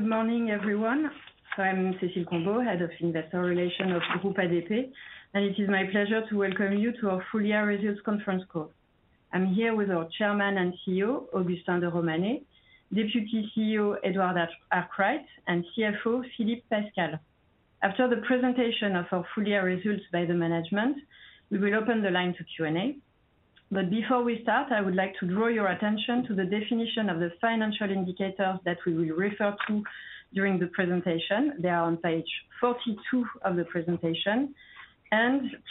Good morning, everyone. I'm Cécile Combeau, Head of Investor Relations of Groupe ADP, and it is my pleasure to welcome you to our full year results conference call. I'm here with our Chairman and CEO, Augustin de Romanet, Deputy CEO, Edward Arkwright, and CFO, Philippe Pascal. After the presentation of our full year results by the management, we will open the line to Q&A. Before we start, I would like to draw your attention to the definition of the financial indicators that we will refer to during the presentation. They are on page 42 of the presentation.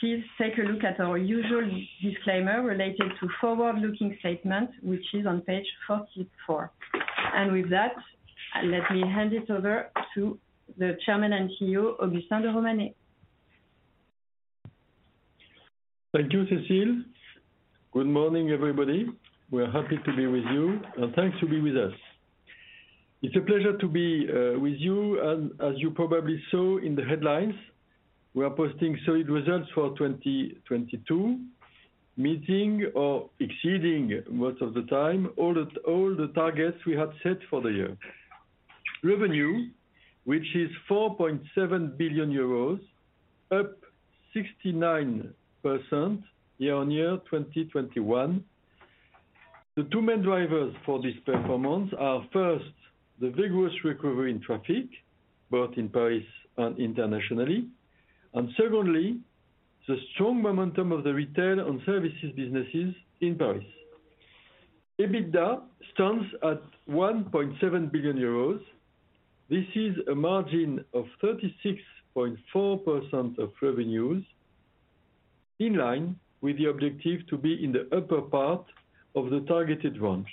Please take a look at our usual disclaimer related to forward-looking statements, which is on page 44. With that, let me hand it over to the Chairman and CEO, Augustin de Romanet. Thank you, Cécile. Good morning, everybody. We're happy to be with you, and thanks to be with us. It's a pleasure to be with you. As you probably saw in the headlines, we are posting solid results for 2022, meeting or exceeding most of the time all the targets we had set for the year. Revenue, which is 4.7 billion euros, up 69% year-on-year, 2021. The two main drivers for this performance are, first, the vigorous recovery in traffic, both in Paris and internationally, and secondly, the strong momentum of the retail and services businesses in Paris. EBITDA stands at 1.7 billion euros. This is a margin of 36.4% of revenues, in line with the objective to be in the upper part of the targeted range.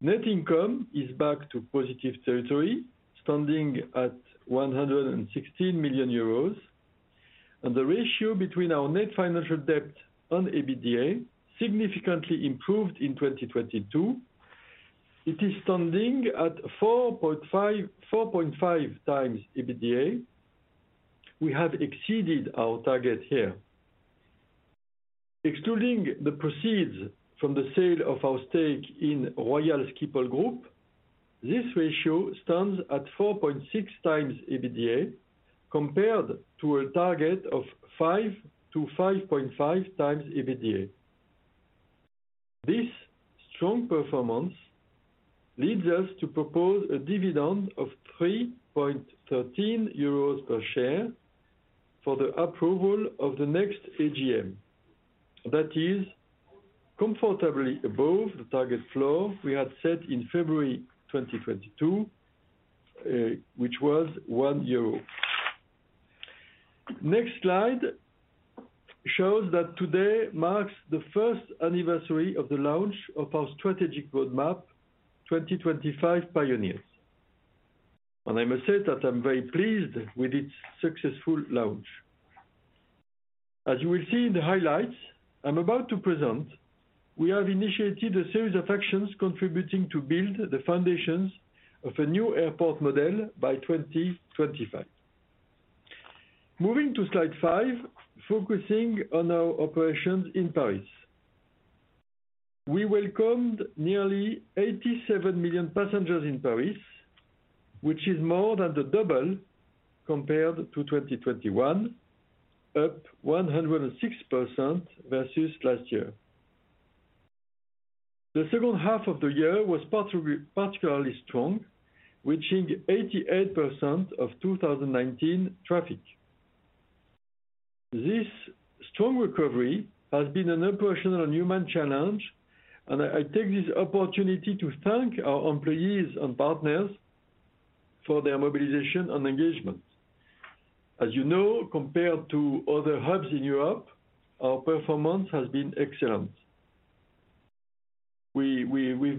Net income is back to positive territory, standing at 116 million euros. The ratio between our net financial debt on EBITDA significantly improved in 2022. It is standing at 4.5x EBITDA. We have exceeded our target here. Excluding the proceeds from the sale of our stake in Royal Schiphol Group, this ratio stands at 4.6x EBITDA compared to a target of 5x-5.5x EBITDA. This strong performance leads us to propose a dividend of 3.13 euros per share for the approval of the next AGM. That is comfortably above the target flow we had set in February 2022, which was 1 euro. Next slide shows that today marks the first anniversary of the launch of our strategic roadmap, 2025 Pioneers. I must say that I'm very pleased with its successful launch. As you will see in the highlights I'm about to present, we have initiated a series of actions contributing to build the foundations of a new airport model by 2025. Moving to slide 5, focusing on our operations in Paris. We welcomed nearly 87 million passengers in Paris, which is more than the double compared to 2021, up 106% versus last year. The second half of the year was particularly strong, reaching 88% of 2019 traffic. This strong recovery has been an operational and human challenge, I take this opportunity to thank our employees and partners for their mobilization and engagement. As you know, compared to other hubs in Europe, our performance has been excellent. We've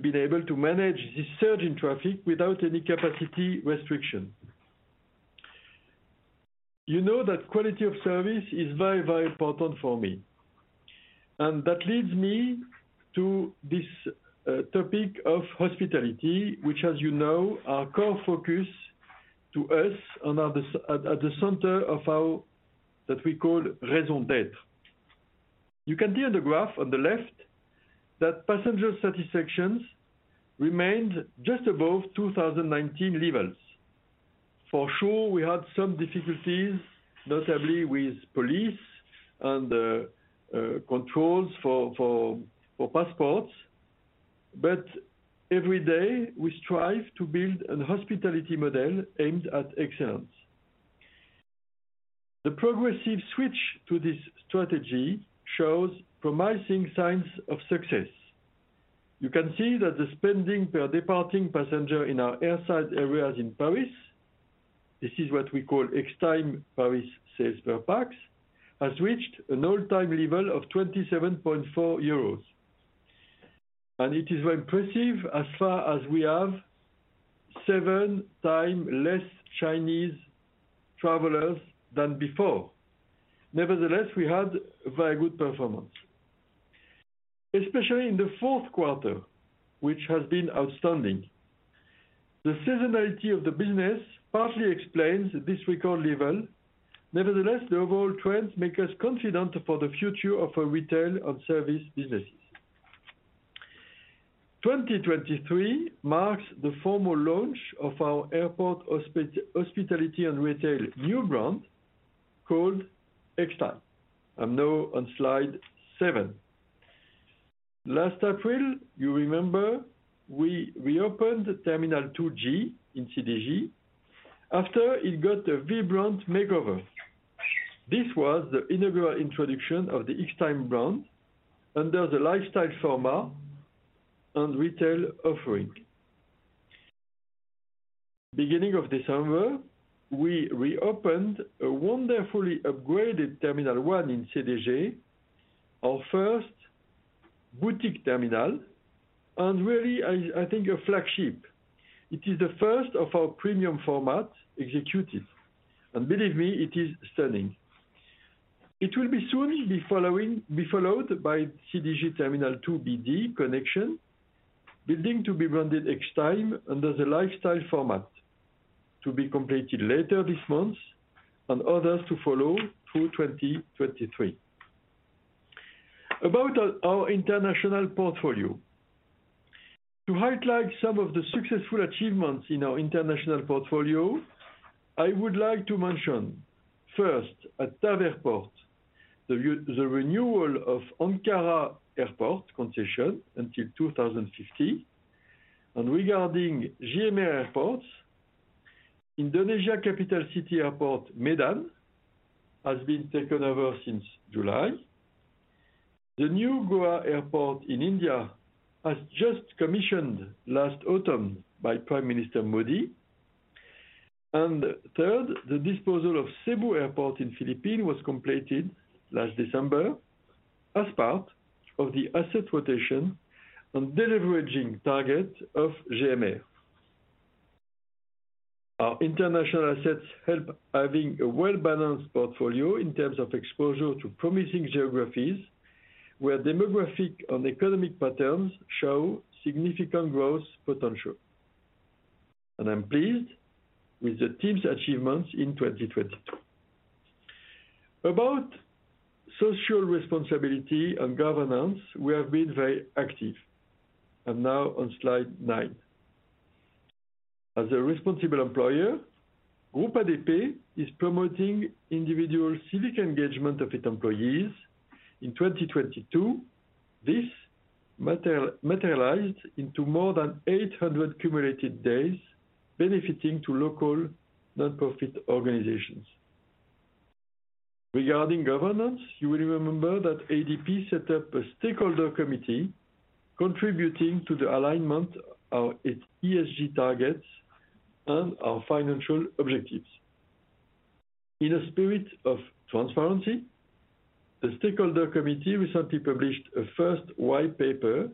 been able to manage this surge in traffic without any capacity restriction. You know that quality of service is very, very important for me, and that leads me to this topic of hospitality, which as you know, our core focus to us at the center of our that we call raison d'être. You can see on the graph on the left that passenger satisfaction remained just above 2019 levels. For sure, we had some difficulties, notably with police and controls for passports. Every day, we strive to build an hospitality model aimed at excellence. The progressive switch to this strategy shows promising signs of success. You can see that the spending per departing passenger in our airside areas in Paris, this is what we call Extime Paris Sales/pax, has reached an all-time level of 27.4 euros. It is very impressive as far as we have 7 times less Chinese travelers than before. Nevertheless, we had a very good performance, especially in the fourth quarter, which has been outstanding. The seasonality of the business partly explains this record level. Nevertheless, the overall trends make us confident for the future of our retail and service businesses. 2023 marks the formal launch of our airport hospitality and retail new brand called Extime. I'm now on slide 7. Last April, you remember we reopened the Terminal 2G in CDG after it got a vibrant makeover. This was the inaugural introduction of the Extime brand under the lifestyle format and retail offering. Beginning of December, we reopened a wonderfully upgraded Terminal 1 in CDG, our first boutique terminal, and really, I think a flagship. It is the first of our premium format executed. Believe me, it is stunning. It will soon be followed by CDG Terminal 2BD connection, building to be branded Extime under the lifestyle format, to be completed later this month and others to follow through 2023. About our international portfolio. To highlight some of the successful achievements in our international portfolio, I would like to mention first, at TAV Airports, the renewal of Ankara Airport concession until 2050. Regarding GMR Airports, Indonesia Capital City Airport Medan has been taken over since July. The New Goa Airport in India has just commissioned last autumn by Prime Minister Modi. Third, the disposal of Cebu Airport in the Philippines was completed last December as part of the asset rotation and deleveraging target of GMR. Our international assets help having a well-balanced portfolio in terms of exposure to promising geographies, where demographic and economic patterns show significant growth potential. I'm pleased with the team's achievements in 2022. About social responsibility and governance, we have been very active. I'm now on slide 9. As a responsible employer, Groupe ADP is promoting individual civic engagement of its employees. In 2022, this materialized into more than 800 cumulated days benefiting to local non-profit organizations. Regarding governance, you will remember that ADP set up a stakeholder committee contributing to the alignment of its ESG targets and our financial objectives. In a spirit of transparency, the stakeholder committee recently published a first white paper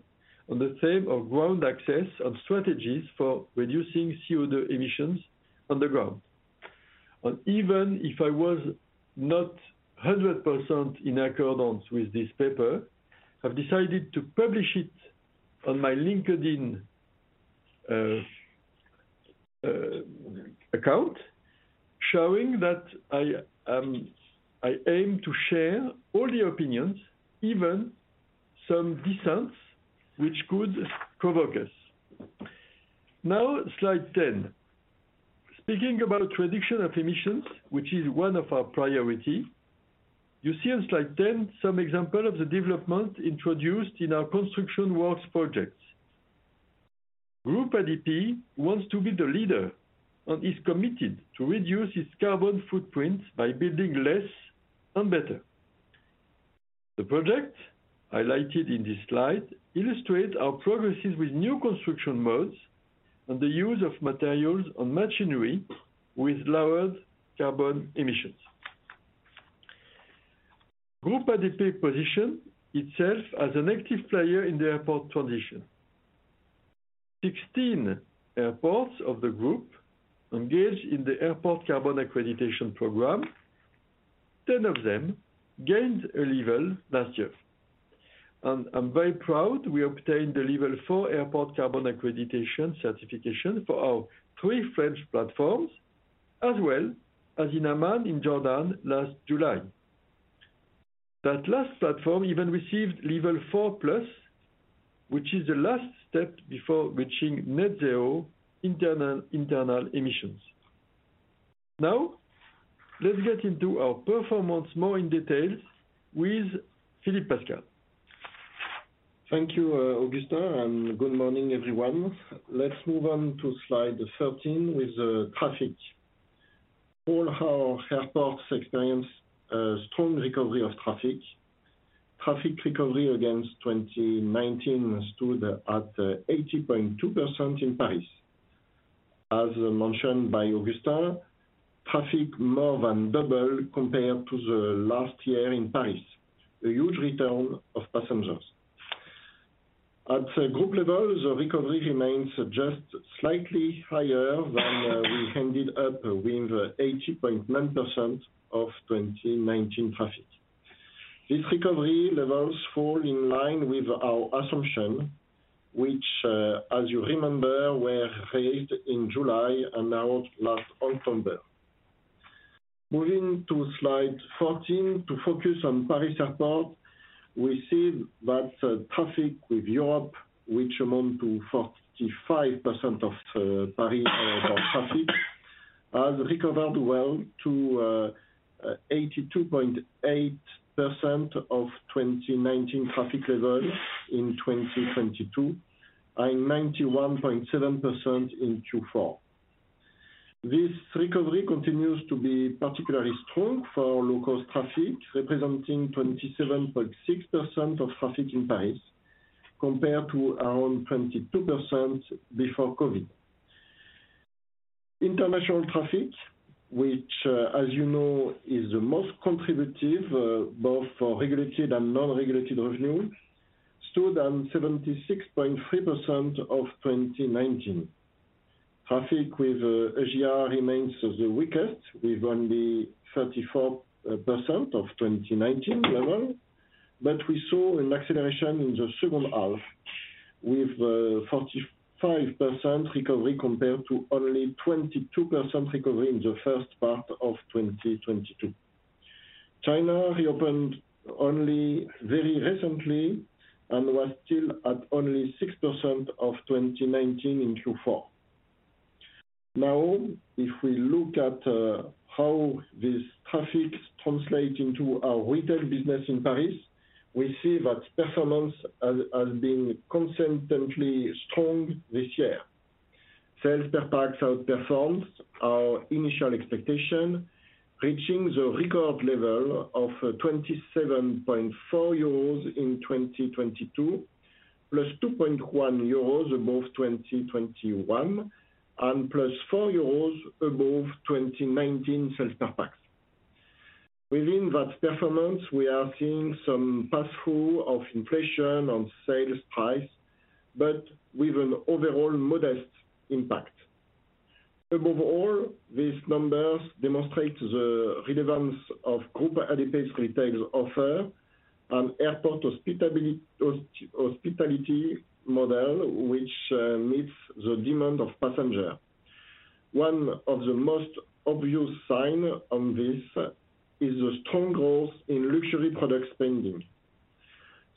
on the theme of ground access and strategies for reducing CO2 emissions on the ground. Even if I was not 100% in accordance with this paper, I've decided to publish it on my LinkedIn account, showing that I aim to share all the opinions, even some distance, which could provoke us. Now slide 10. Speaking about reduction of emissions, which is one of our priority, you see on slide 10 some example of the development introduced in our construction works projects. Groupe ADP wants to be the leader and is committed to reduce its carbon footprint by building less and better. The project highlighted in this slide illustrates our progresses with new construction modes and the use of materials and machinery with lowered carbon emissions. Groupe ADP position itself as an active player in the airport transition. 16 airports of the group engaged in the Airport Carbon Accreditation program, 10 of them gained a level last year. I'm very proud we obtained the level 4 Airport Carbon Accreditation certification for our 3 French platforms, as well as in Amman, in Jordan last July. That last platform even received level 4 plus, which is the last step before reaching net zero internal emissions. Now, let's get into our performance more in details with Philippe Pascal. Thank you, Augustin, and good morning, everyone. Let's move on to slide 13 with traffic. All our airports experienced a strong recovery of traffic. Traffic recovery against 2019 stood at 80.2% in Paris. As mentioned by Augustin, traffic more than double compared to the last year in Paris. A huge return of passengers. At the group level, the recovery remains just slightly higher than we ended up with 80.9% of 2019 traffic. These recovery levels fall in line with our assumption, which, as you remember, were raised in July and now last October. Moving to slide 14 to focus on Paris Airport. We see that traffic with Europe, which amount to 45% of Paris Aéroport traffic, has recovered well to 82.8% of 2019 traffic levels in 2022, and 91.7% in Q4. This recovery continues to be particularly strong for local traffic, representing 27.6% of traffic in Paris compared to around 22% before COVID. International traffic, which, as you know, is the most contributive, both for regulated and non-regulated revenue, stood on 76.3% of 2019. Traffic with Asia remains the weakest, with only 34% of 2019 level. We saw an acceleration in the second half with 45% recovery compared to only 22% recovery in the first part of 2022. China reopened only very recently and was still at only 6% of 2019 in Q4. If we look at how this traffic translate into our retail business in Paris, we see that performance has been consistently strong this year. Sales per pax outperforms our initial expectation, reaching the record level of 27.4 euros in 2022, +2.1 euros above 2021, and +4 euros above 2019 sales per pax. Within that performance, we are seeing some pass-through of inflation on sales price, but with an overall modest impact. Above all, these numbers demonstrate the relevance of Groupe ADP's retail offer and airport hospitality model, which meets the demand of passenger. One of the most obvious sign on this is the strong growth in luxury product spending.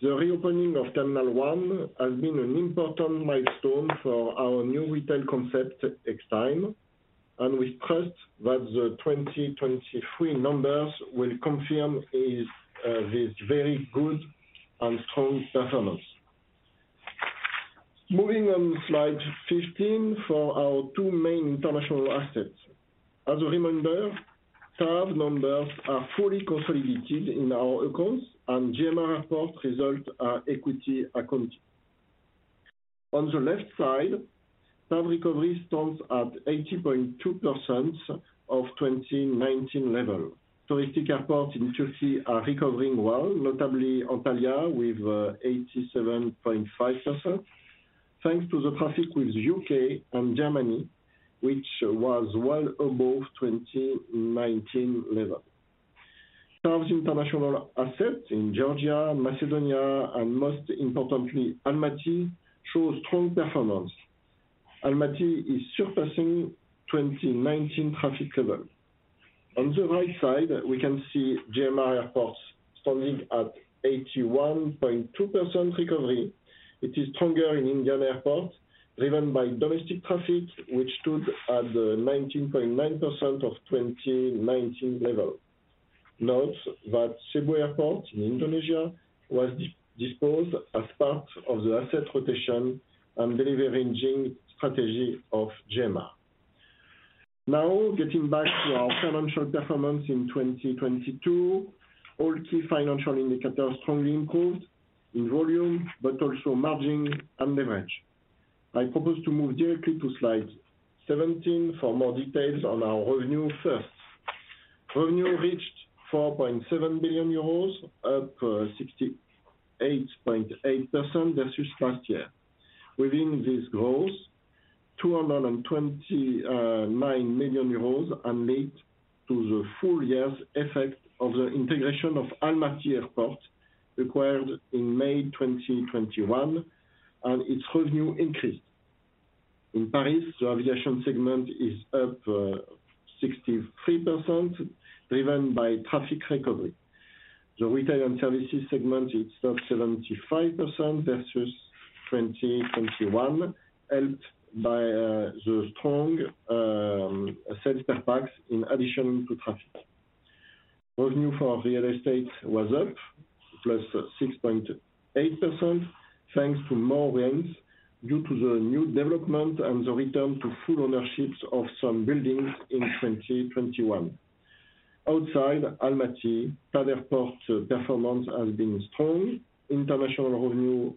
The reopening of Terminal 1 has been an important milestone for our new retail concept, Extime. We trust that the 2023 numbers will confirm this very good and strong performance. Moving on slide 15 for our two main international assets. As a reminder, SABA numbers are fully consolidated in our accounts. GMR Airports results are equity accounting. On the left side, SABA recovery stands at 80.2% of 2019 level. Touristy airports in Turkey are recovering well, notably Antalya with 87.5%, thanks to the traffic with U.K. and Germany, which was well above 2019 level. SABA's international assets in Georgia, Macedonia and most importantly, Almaty, show strong performance. Almaty is surpassing 2019 traffic level. On the right side, we can see GMR Airports standing at 81.2% recovery, which is stronger in Indian airports, driven by domestic traffic, which stood at 19.9% of 2019 level. Note that Cebu Airport in the Philippines was disposed as part of the asset rotation and delivery engine strategy of GMR. Getting back to our financial performance in 2022, all key financial indicators strongly improved in volume, but also margin and leverage. I propose to move directly to slide 17 for more details on our revenue first. Revenue reached 4.7 billion euros, up 68.8% versus last year. Within this growth, 229 million euros are linked to the full year's effect of the integration of Almaty Airport, acquired in May 2021, and its revenue increased. In Paris, the aviation segment is up 63%, driven by traffic recovery. The retail and services segment is up 75% versus 2021, helped by the strong sales per pax in addition to traffic. Revenue for real estate was up +6.8%, thanks to more rents due to the new development and the return to full ownerships of some buildings in 2021. Outside Almaty, other ports performance has been strong. International revenue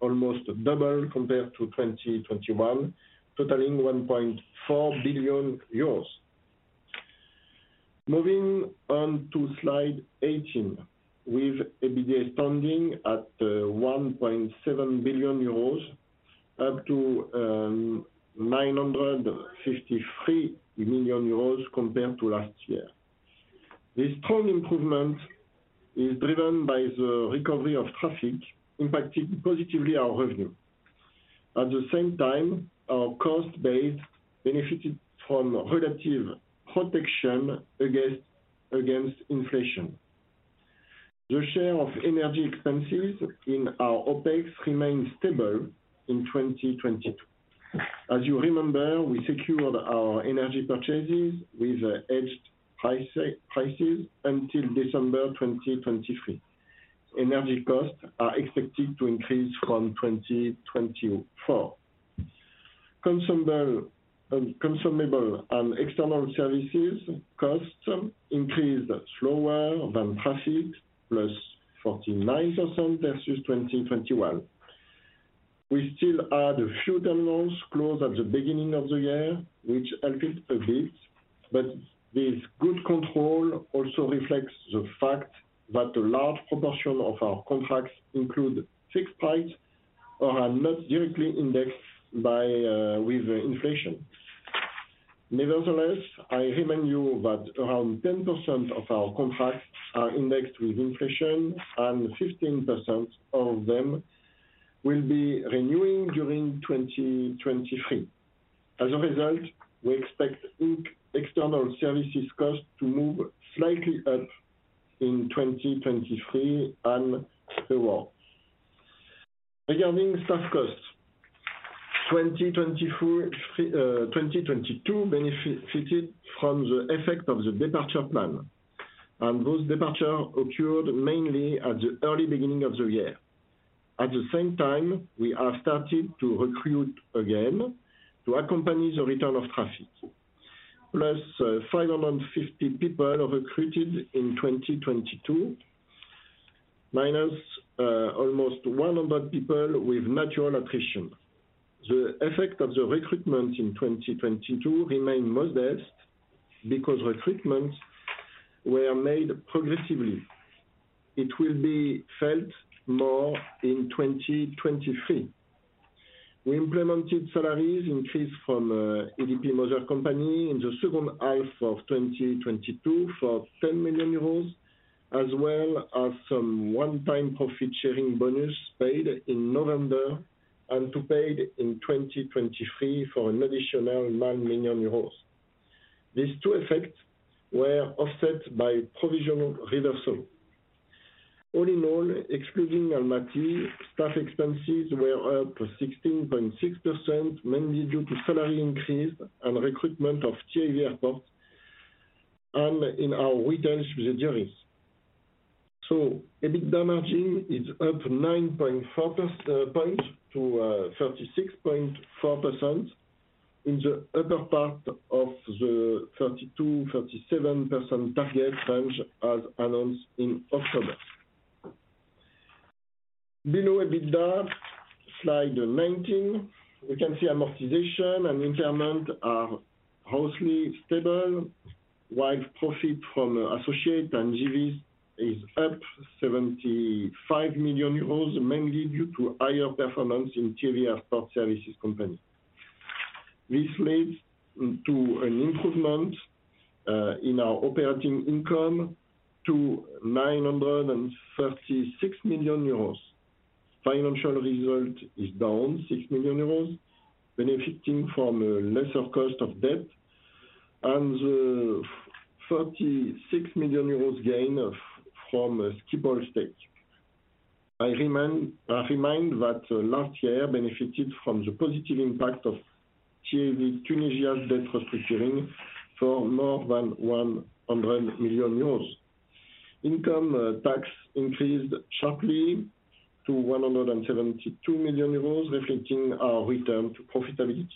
almost double compared to 2021, totaling EUR 1.4 billion. Moving on to slide 18, with EBITDA standing at 1.7 billion euros, up to 953 million euros compared to last year. This strong improvement is driven by the recovery of traffic impacting positively our revenue. At the same time, our cost base benefited from relative protection against inflation. The share of energy expenses in our OpEx remains stable in 2022. As you remember, we secured our energy purchases with edged prices until December 2023. Energy costs are expected to increase from 2024. Consumable and external services costs increased slower than traffic, +49% versus 2021. We still had a few terminals closed at the beginning of the year, which helped a bit. This good control also reflects the fact that a large proportion of our contracts include fixed price or are not directly indexed with inflation. Nevertheless, I remind you that around 10% of our contracts are indexed with inflation, and 15% of them will be renewing during 2023. As a result, we expect external services costs to move slightly up in 2023 and beyond. Regarding staff costs, 2022 benefited from the effect of the departure plan, those departure occurred mainly at the early beginning of the year. At the same time, we have started to recruit again to accompany the return of traffic. Plus 550 people are recruited in 2022, minus almost 100 people with natural attrition. The effect of the recruitment in 2022 remained modest because recruitments were made progressively. It will be felt more in 2023. We implemented salaries increased from ADP mother company in the second half of 2022 for 10 million euros, as well as some one-time profit sharing bonus paid in November and to paid in 2023 for an additional 9 million euros. These two effects were offset by provisional reversal. All in all, excluding Almaty, staff expenses were up to 16.6%, mainly due to salary increase and recruitment of TAV Airport and in our retail subsidiaries. EBITDA margin is up 9.4% point to 36.4% in the upper part of the 32%-37% target range as announced in October. Below EBITDA, slide 19, we can see amortization and impairment are mostly stable, while profit from associate and JVs is up 75 million euros, mainly due to higher performance in TAV Operation Services company. This leads to an improvement in our operating income to 936 million euros. Financial result is down 6 million euros, benefiting from a lesser cost of debt and the 36 million euros gain of, from Schiphol stake. I remind that last year benefited from the positive impact of TAV Tunisie's debt restructuring for more than 100 million euros. Income tax increased sharply to 172 million euros, reflecting our return to profitability.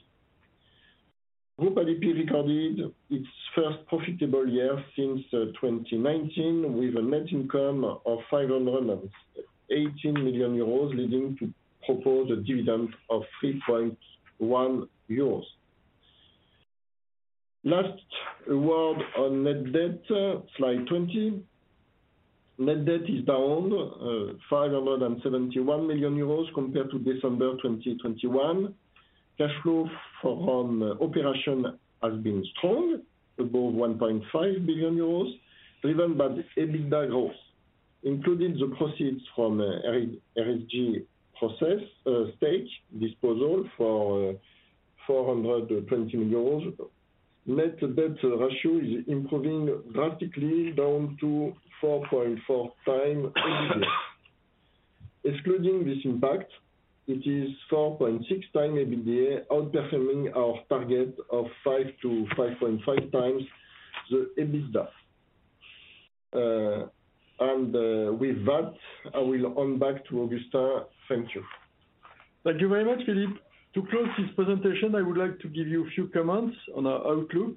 Groupe ADP recorded its first profitable year since 2019, with a net income of 518 million euros, leading to propose a dividend of 3.1 euros. Last word on net debt, slide 20. Net debt is down 571 million euros compared to December 2021. Cash flow from operation has been strong, above 1.5 billion euros, driven by the EBITDA growth, including the proceeds from RSG process stake disposal for 420 million euros. Net debt ratio is improving drastically down to 4.4 times EBITDA. Excluding this impact, it is 4.6x EBITDA, outperforming our target of 5x-5.5x the EBITDA. With that, I will hand back to Augustin. Thank you. Thank you very much, Philippe. To close this presentation, I would like to give you a few comments on our outlook,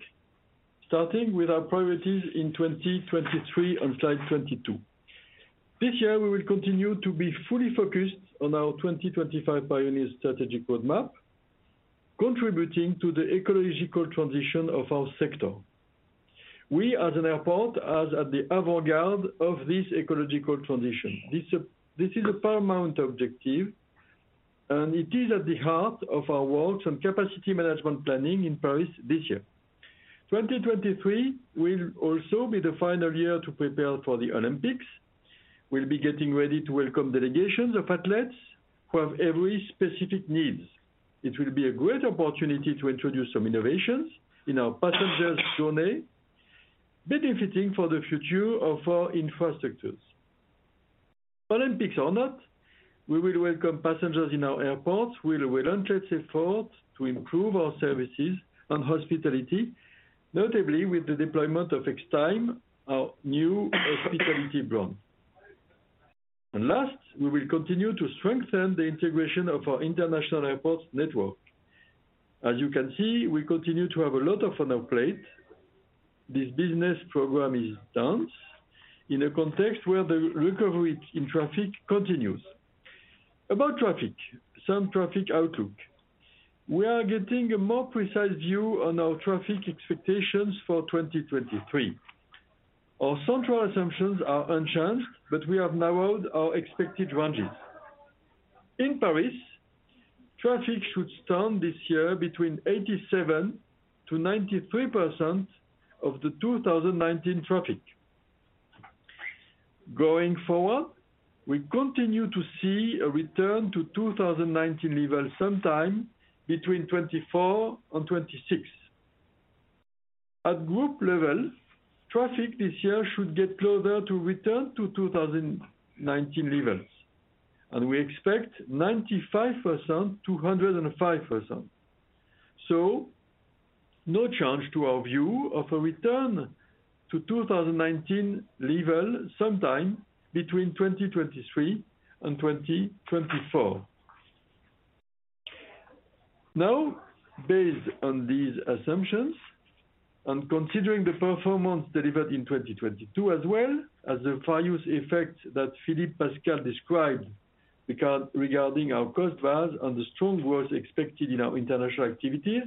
starting with our priorities in 2023 on slide 22. This year, we will continue to be fully focused on our 2025 Pioneers strategic roadmap, contributing to the ecological transition of our sector. We as an airport are at the avant-garde of this ecological transition. This is a paramount objective, and it is at the heart of our work on capacity management planning in Paris this year. 2023 will also be the final year to prepare for the Olympics. We'll be getting ready to welcome delegations of athletes who have every specific needs. It will be a great opportunity to introduce some innovations in our passengers' journey, benefiting for the future of our infrastructures. Olympics or not, we will welcome passengers in our airports with relentless effort to improve our services and hospitality, notably with the deployment of Extime, our new hospitality brand. Last, we will continue to strengthen the integration of our international airports network. As you can see, we continue to have a lot on our plate. This business program is dense in a context where the recovery in traffic continues. About traffic, some traffic outlook. We are getting a more precise view on our traffic expectations for 2023. Our central assumptions are unchanged, but we have narrowed our expected ranges. In Paris, traffic should stand this year between 87%-93% of the 2019 traffic. Going forward, we continue to see a return to 2019 level sometime between 2024 and 2026. At group level, traffic this year should get closer to return to 2019 levels, and we expect 95%-105%. No change to our view of a return to 2019 level sometime between 2023 and 2024. Now, based on these assumptions and considering the performance delivered in 2022, as well as the various effects that Philippe Pascal described regarding our cost base and the strong growth expected in our international activities,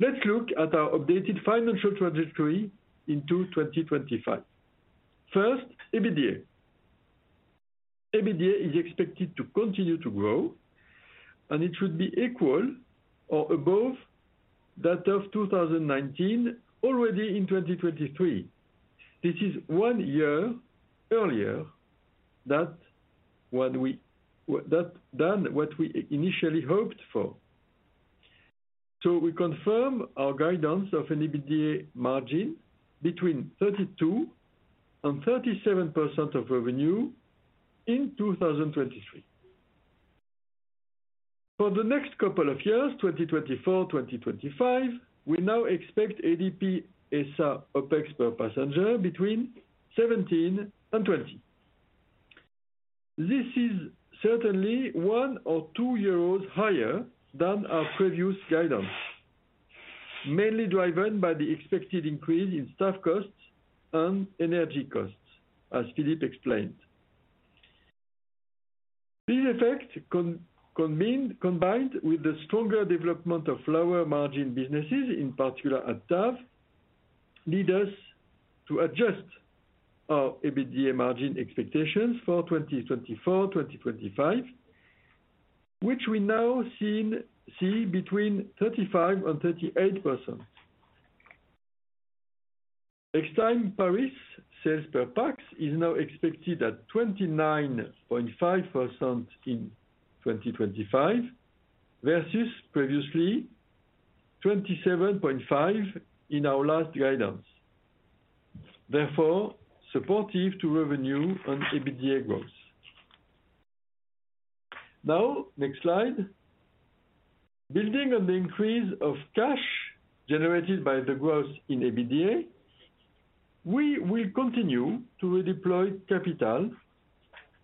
let's look at our updated financial trajectory into 2025. First, EBITDA. EBITDA is expected to continue to grow, and it should be equal or above that of 2019 already in 2023. This is one year earlier than what we initially hoped for. We confirm our guidance of an EBITDA margin between 32% and 37% of revenue in 2023. For the next couple of years, 2024, 2025, we now expect ADP SR OpEx per passenger between 17 and 20. This is certainly 1 or 2 euros higher than our previous guidance, mainly driven by the expected increase in staff costs and energy costs, as Philippe explained. These effects combined with the stronger development of lower margin businesses, in particular at TAV, lead us to adjust our EBITDA margin expectations for 2024, 2025, which we now see between 35% and 38%. Extime Paris Sales per pax is now expected at 29.5% in 2025, versus previously 27.5% in our last guidance, therefore supportive to revenue on EBITDA growth. Next slide. Building on the increase of cash generated by the growth in EBITDA, we will continue to redeploy capital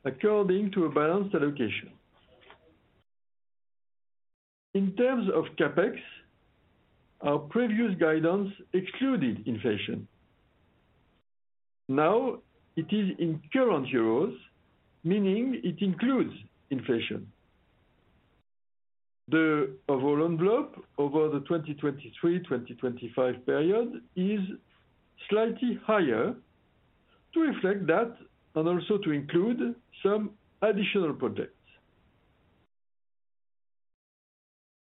according to a balanced allocation. In terms of CapEx, our previous guidance excluded inflation. Now it is in current euros, meaning it includes inflation. The overall envelope over the 2023-2025 period is slightly higher to reflect that and also to include some additional projects.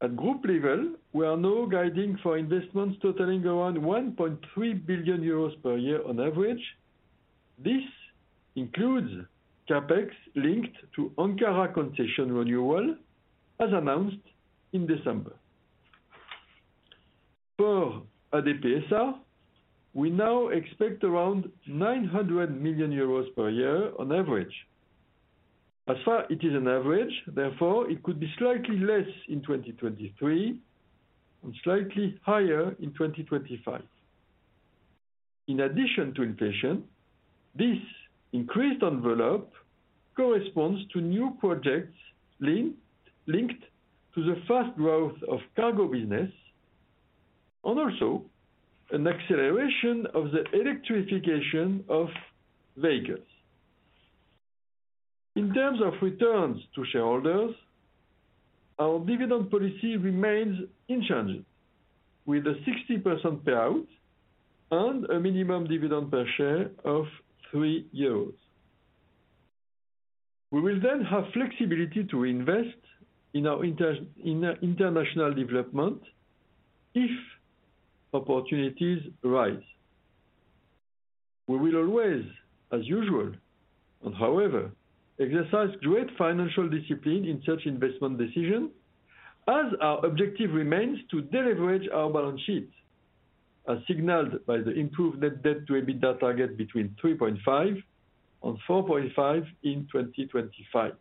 At group level, we are now guiding for investments totaling around 1.3 billion euros per year on average. This includes CapEx linked to Ankara concession renewal as announced in December. For ADPSA, we now expect around 900 million euros per year on average. As far it is an average, therefore it could be slightly less in 2023 and slightly higher in 2025. In addition to inflation, this increased envelope corresponds to new projects linked to the fast growth of cargo business and also an acceleration of the electrification of vehicles. In terms of returns to shareholders, our dividend policy remains unchanged, with a 60% payout and a minimum dividend per share of 3 euros. We will then have flexibility to invest in our international development if opportunities arise. We will always, as usual, and however, exercise great financial discipline in such investment decision as our objective remains to de-leverage our balance sheet, as signaled by the improved net debt to EBITDA target between 3.5 and 4.5 in 2025.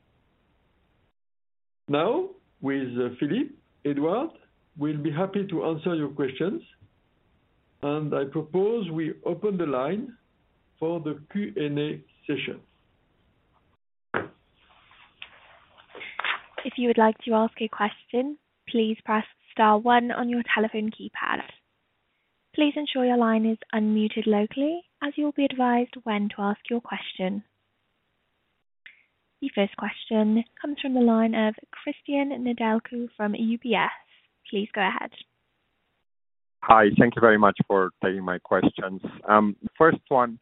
With Philippe, Edward will be happy to answer your questions. I propose we open the line for the Q&A session. If you would like to ask a question, please press star one on your telephone keypad. Please ensure your line is unmuted locally as you will be advised when to ask your question. The first question comes from the line of Cristian Nedelcu from UBS. Please go ahead. Hi. Thank you very much for taking my questions. First one,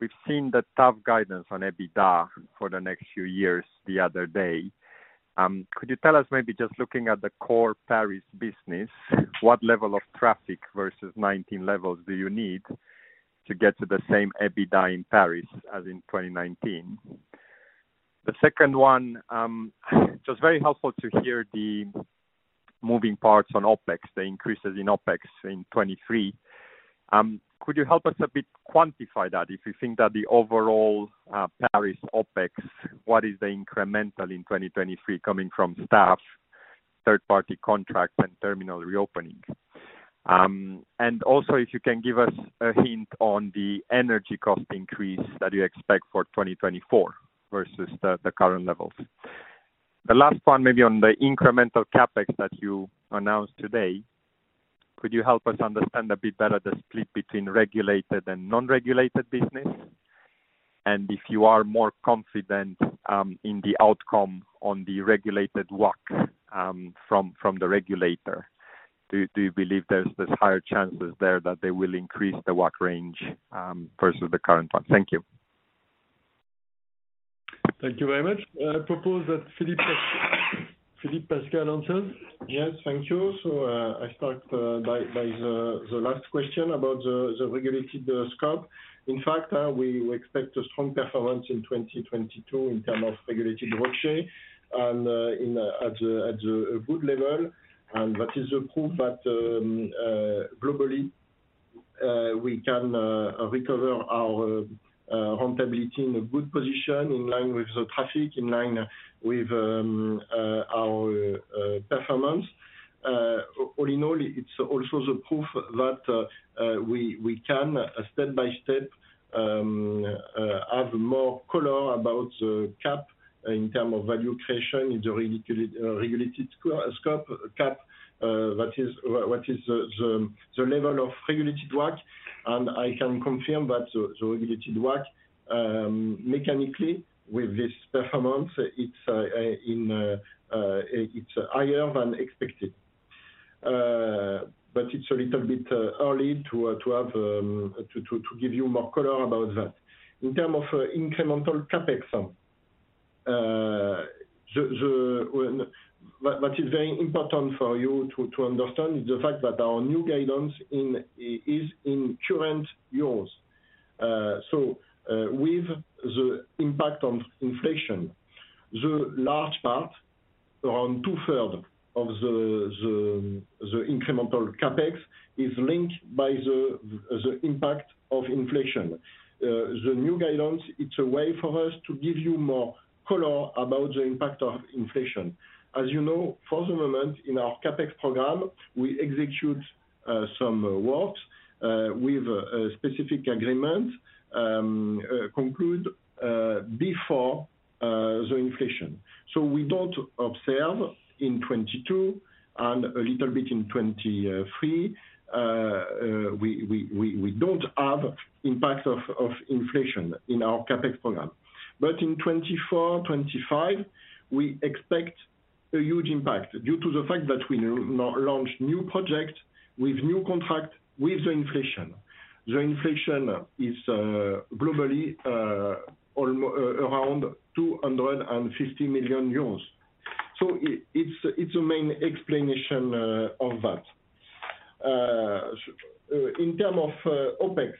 we've seen the tough guidance on EBITDA for the next few years the other day. Could you tell us maybe just looking at the core Paris business, what level of traffic versus 19 levels do you need to get to the same EBITDA in Paris as in 2019? The second one, just very helpful to hear the moving parts on OpEx, the increases in OpEx in 23. Could you help us a bit quantify that? If you think that the overall Paris OpEx, what is the incremental in 2023 coming from staff, third party contract, and terminal reopening? Also, if you can give us a hint on the energy cost increase that you expect for 2024 versus the current levels. The last one maybe on the incremental CapEx that you announced today, could you help us understand a bit better the split between regulated and non-regulated business? If you are more confident in the outcome on the regulated WACC from the regulator, do you believe there's this higher chances there that they will increase the WACC range versus the current one? Thank you. Thank you very much. I propose that Philippe Pascal answers. Yes. Thank you. I start by the last question about the regulated scope. In fact, we expect a strong performance in 2022 in term of regulated WACC and at a good level. That is a proof that globally, we can recover our profitability in a good position in line with the traffic, in line with our performance. All in all, it's also the proof that we can step by step have more color about the cap in term of value creation in the regulated scope cap. That is what is the level of regulated WACC. I can confirm that the regulated WACC, mechanically with this performance, it's higher than expected. It's a little bit early to have to give you more color about that. In terms of incremental CapEx, what is very important for you to understand is the fact that our new guidance is in current euros. With the impact on inflation, the large part, around two-thirds of the incremental CapEx is linked by the impact of inflation. The new guidance, it's a way for us to give you more color about the impact of inflation. As you know, for the moment in our CapEx program, we execute some works with a specific agreement concluded before the inflation. We don't observe in 22 and a little bit in 23. we don't have impacts of inflation in our CapEx program. In 2024, 2025, we expect a huge impact due to the fact that we now launch new project with new contract with the inflation. The inflation is globally around 250 million euros. It's a main explanation of that. In term of OpEx.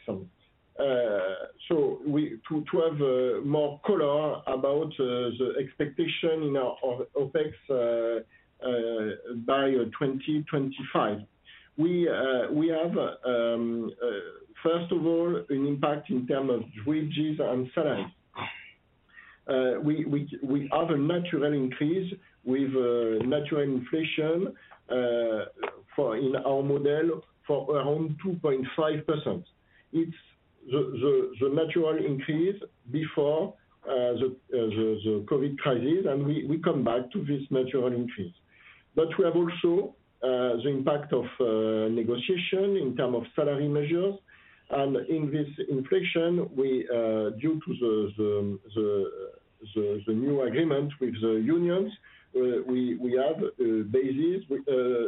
To have more color about the expectation of OpEx by 2025. We have first of all an impact in term of wages and salaries. We have a natural increase with natural inflation for in our model for around 2.5%. It's the natural increase before the COVID crisis. We come back to this natural increase. We have also the impact of negotiation in term of salary measures. In this inflation, we due to the new agreement with the unions, we have bases,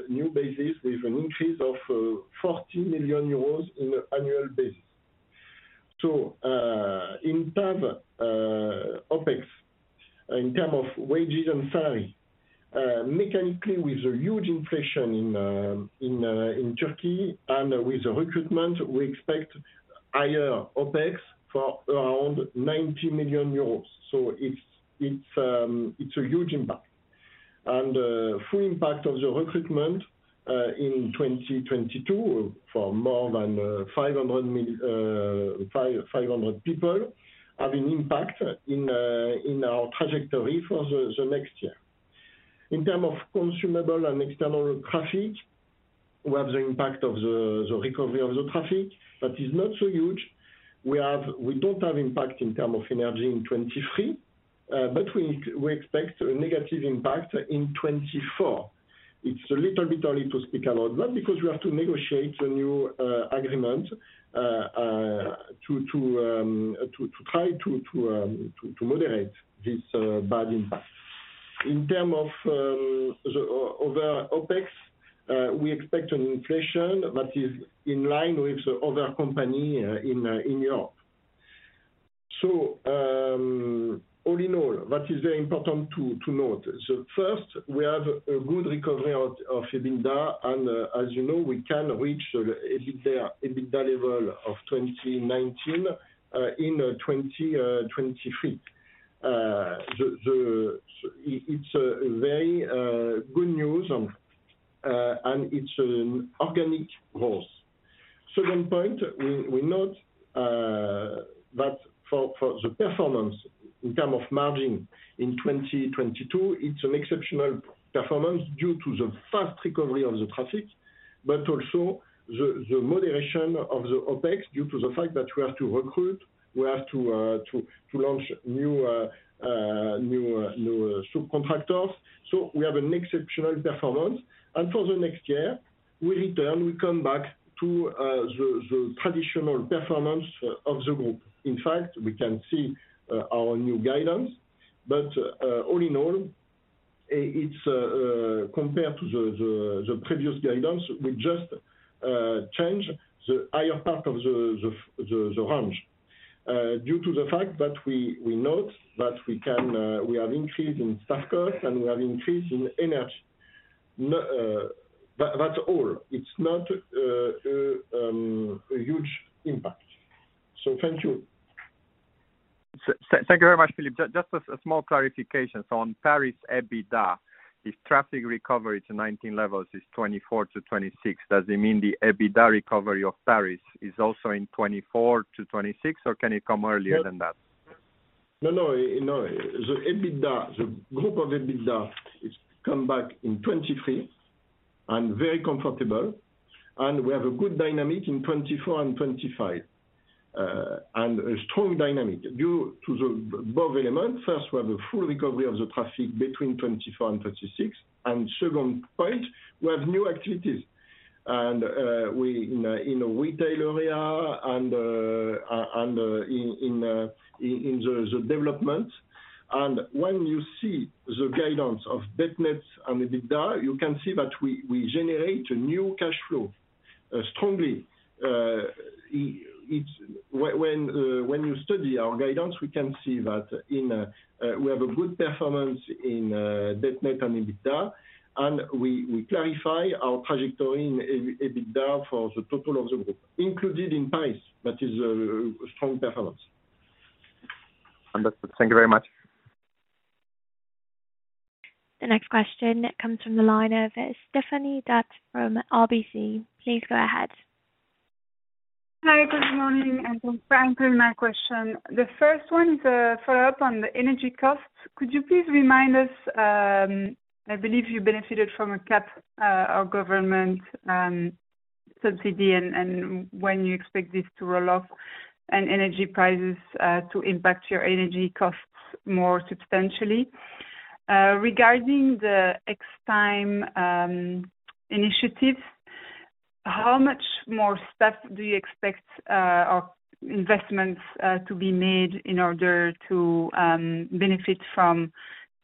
new bases with an increase of 40 million euros in annual basis. In term of OpEx, in term of wages and salary, mechanically with a huge inflation in Turkey and with the recruitment, we expect higher OpEx for around 90 million euros. It's a huge impact. Full impact of the recruitment in 2022 for more than 500 people have an impact in our trajectory for the next year. In terms of consumable and external traffic, we have the impact of the recovery of the traffic, but it's not so huge. We don't have impact in terms of energy in 2023, but we expect a negative impact in 2024. It's a little bit early to speak a lot, not because we have to negotiate a new agreement to try to moderate this bad impact. In terms of the OpEx, we expect an inflation that is in line with the other company in Europe. All in all, what is very important to note. First, we have a good recovery of EBITDA, and as you know, we can reach the EBITDA level of 2019 in 2023. It's a very good news on, and it's an organic growth. Second point, we note that for the performance in term of margin in 2022, it's an exceptional performance due to the fast recovery of the traffic, but also the moderation of the OpEx due to the fact that we have to recruit, we have to launch new subcontractors. We have an exceptional performance. For the next year, we come back to the traditional performance of the group. We can see our new guidance. All in all, it's compared to the previous guidance, we just change the higher part of the range due to the fact that we note that we can, we have increased in staff cost and we have increased in energy. That's all. It's not a huge impact. Thank you. Thank you very much, Philippe. Just a small clarification. On Paris EBITDA, if traffic recovery to 19 levels is 2024-2026, does it mean the EBITDA recovery of Paris is also in 2024-2026, or can it come earlier than that? No, no. No. The EBITDA, the Groupe ADP EBITDA is come back in 2023 and very comfortable, and we have a good dynamic in 2024 and 2025. A strong dynamic due to both elements. First, we have a full recovery of the traffic between 2024 and 2036. Second point, we have new activities and we in a retail area and in the development. When you see the guidance of debt nets and EBITDA, you can see that we generate a new cash flow strongly. It's... When you study our guidance, we can see that in, we have a good performance in, debt net and EBITDA, and we clarify our trajectory in EBITDA for the total of the group, included in Paris, that is a strong performance. Understood. Thank you very much. The next question comes from the line of Stéphanie D'Huart from RBC. Please go ahead. Hi, good morning. Thanks for including my question. The first one is a follow-up on the energy costs. Could you please remind us, I believe you benefited from a cap or government subsidy and when you expect this to roll off and energy prices to impact your energy costs more substantially? Regarding the Extime initiatives, how much more stuff do you expect or investments to be made in order to benefit from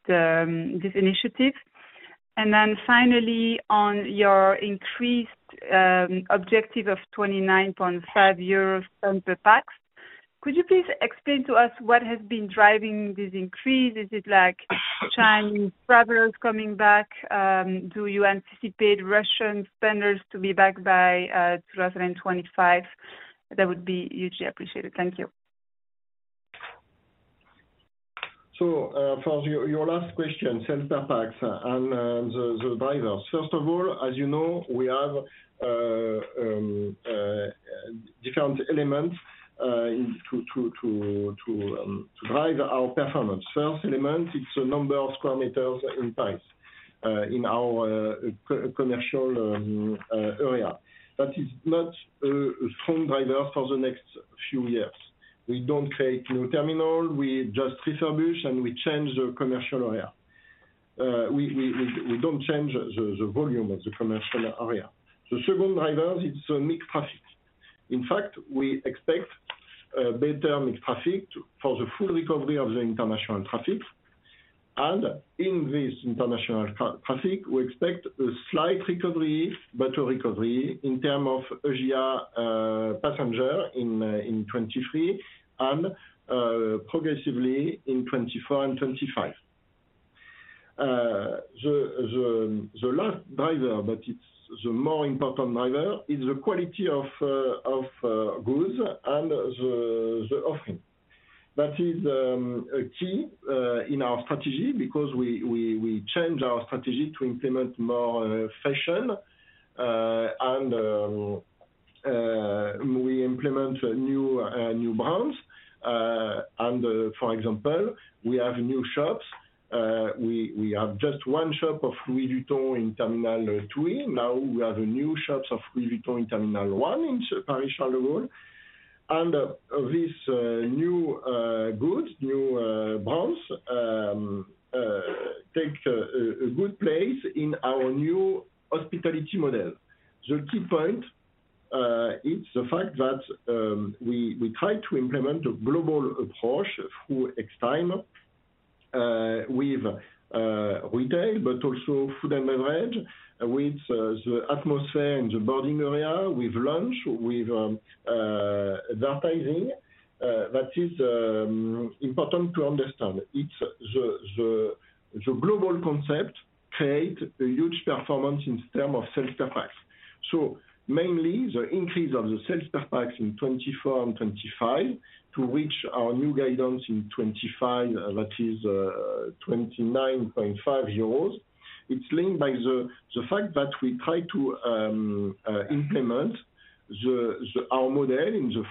this initiative? Finally, on your increased objective of 0.295 euros per pax, could you please explain to us what has been driving this increase? Is it like Chinese travelers coming back? Do you anticipate Russian spenders to be back by 2025? That would be hugely appreciated. Thank you. For your last question, cents per pax and the drivers. First of all, as you know, we have different elements in to drive our performance. First element, it's the number of square meters in Paris in our co-commercial area. That is not a strong driver for the next few years. We don't create new terminal, we just refurbish and we change the commercial area. We don't change the volume of the commercial area. The second driver is the mixed traffic. In fact, we expect better mixed traffic for the full recovery of the international traffic. And in this international traffic, we expect a slight recovery, better recovery in term of Asia passenger in 23 and progressively in 24 and 25. The last driver, but it's the more important driver, is the quality of goods and the offering. That is a key in our strategy because we change our strategy to implement more fashion and we implement new brands. For example, we have new shops. We have just one shop of Louis Vuitton in Terminal 2. Now we have new shops of Louis Vuitton in Terminal 1 in Paris Charles de Gaulle. This new goods, new brands take a good place in our new hospitality model. The key point is the fact that we try to implement a global approach through Extime, with retail, but also food and beverage, with the atmosphere in the boarding area, with lounge, with advertising. That is important to understand. It's the global concept create a huge performance in term of self-service. Mainly the increase of the self-service in 2024 and 2025 to reach our new guidance in 2025, that is 29.5 euros. It's linked by the fact that we try to implement our model in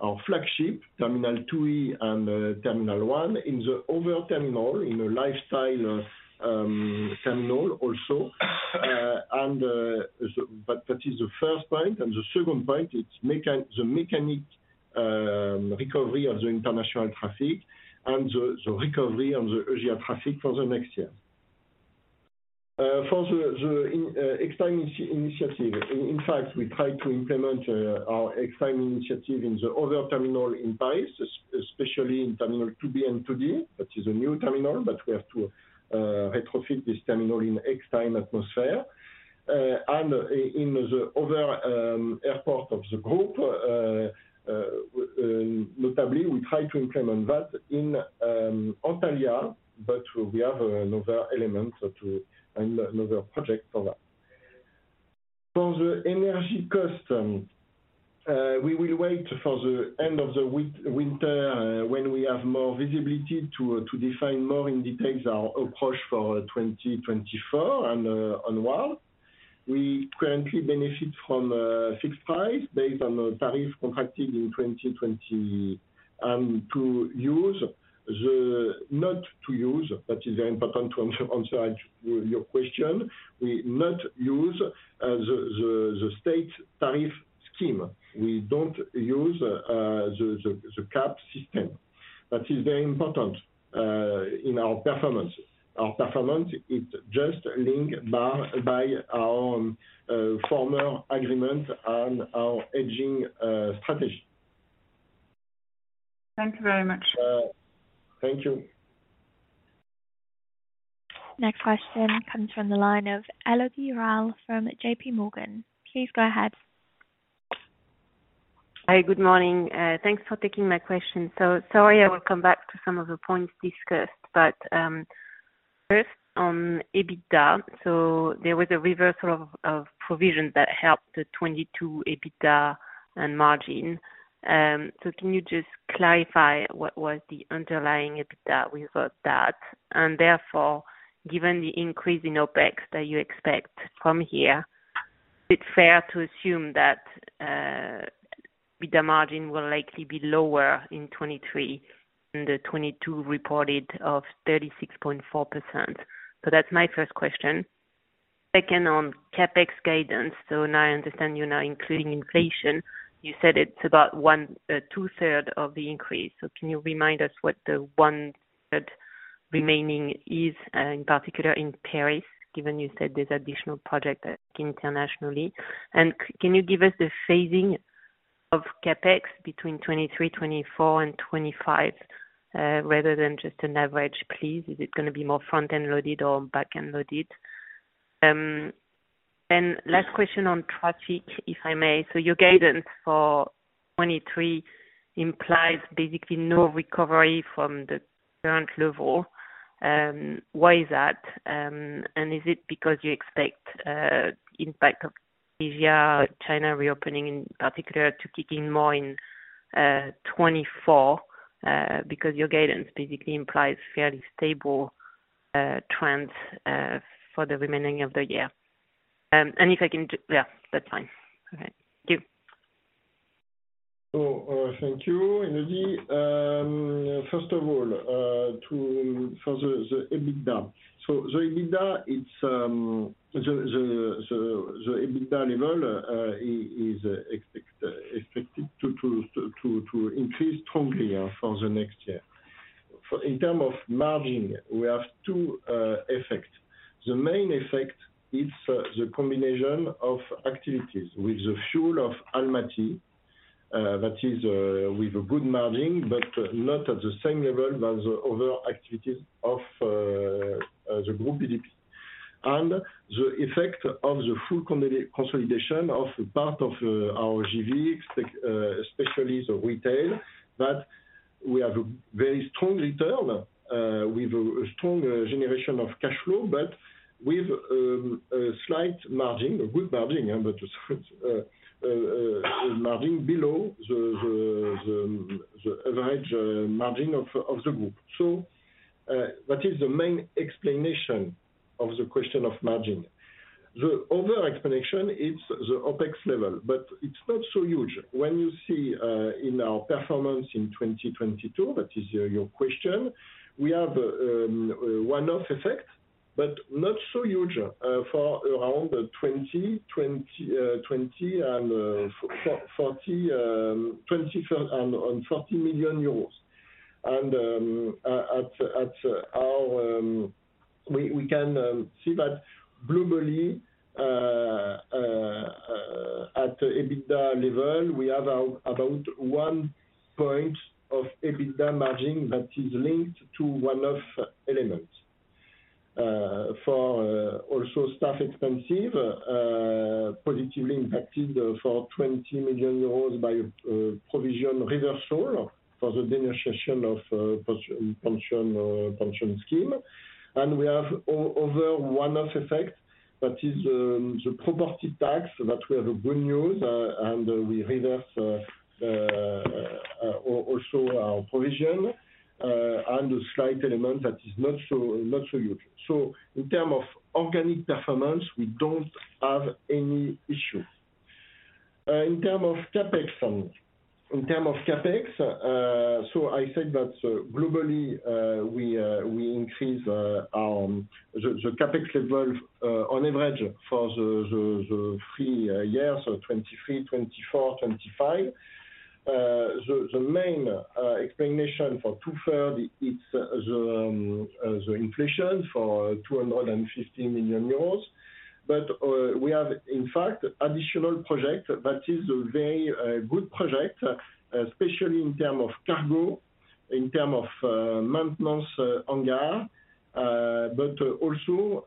our flagship Terminal 2 and Terminal 1 in the other terminal, in the lifestyle terminal also. That is the first point. The second point, it's the mechanic recovery of the international traffic and the recovery on the Asia traffic for the next year. For the Extime initiative. In fact, we try to implement our Extime initiative in the other terminal in Paris, especially in Terminal 2B and 2D, which is a new terminal, but we have to retrofit this terminal in Extime atmosphere. In the other airport of Groupe ADP, notably, we try to implement that in Antalya, but we have another element and another project for that. For the energy cost, we will wait for the end of the winter, when we have more visibility to define more in detail our approach for 2024 and onward. We currently benefit from fixed price based on a tariff contracted in 2020. To use the not to use, that is very important to answer your question. We not use the state tariff scheme. We don't use the cap system. That is very important in our performance. Our performance is just linked by our former agreement and our hedging strategy. Thank you very much. Thank you. Next question comes from the line of Elodie Rall from JP Morgan. Please go ahead. Hi, good morning. Thanks for taking my question. Sorry, I will come back to some of the points discussed. First on EBITDA, there was a reversal of provision that helped the 2022 EBITDA and margin. Can you just clarify what was the underlying EBITDA without that? Therefore, given the increase in OpEx that you expect from here, is it fair to assume that EBITDA margin will likely be lower in 2023 than the 2022 reported of 36.4%? That's my first question. Second, on CapEx guidance. Now I understand you're now including inflation. You said it's about 2/3 of the increase. Can you remind us what the 1/3 remaining is, in particular in Paris, given you said there's additional project internationally? Can you give us the phasing of CapEx between 23, 24 and 25, rather than just an average, please? Is it gonna be more front-end loaded or back-end loaded? Last question on traffic, if I may. Your guidance for 23 implies basically no recovery from the current level. Why is that? Is it because you expect impact of Asia, China reopening in particular to kick in more in 24? Because your guidance basically implies fairly stable trends for the remaining of the year. If I can Yeah, that's fine. Okay. Thank you. Thank you, Elodie. First of all, for the EBITDA. It's the EBITDA level, is expected to increase strongly for the next year. For in terms of margin, we have 2 effects. The main effect is the combination of activities with the fuel of Almaty, that is with a good margin, but not at the same level as other activities of Groupe ADP. The effect of the full consolidation of part of our JV, especially the retail, that we have a very strong return with a strong generation of cash flow, but with a slight margin, a good margin, but just a margin below the average margin of Groupe ADP. That is the main explanation of the question of margin. The other explanation is the OpEx level, but it's not so huge. When you see in our performance in 2022, that is your question. We have a one-off effect, but not so huge, for around 24 and EUR 40 million. We can see that globally at the EBITDA level, we have about 1 point of EBITDA margin that is linked to one-off elements. For also staff expensive, positively impacted for 20 million euros by provision reversal for the denaturation of pension scheme. We have other one-off effect that is the property tax, that we have a good news, and we reverse also our provision, and a slight element that is not so huge. In terms of organic performance, we don't have any issue. In terms of CapEx, I said that globally, we increase the CapEx level on average for the three years, 2023, 2024, 2025. The main explanation for two-thirds it is the inflation for 250 million euros. We have in fact additional project that is a very good project, especially in terms of cargo, in terms of maintenance hangar. Also,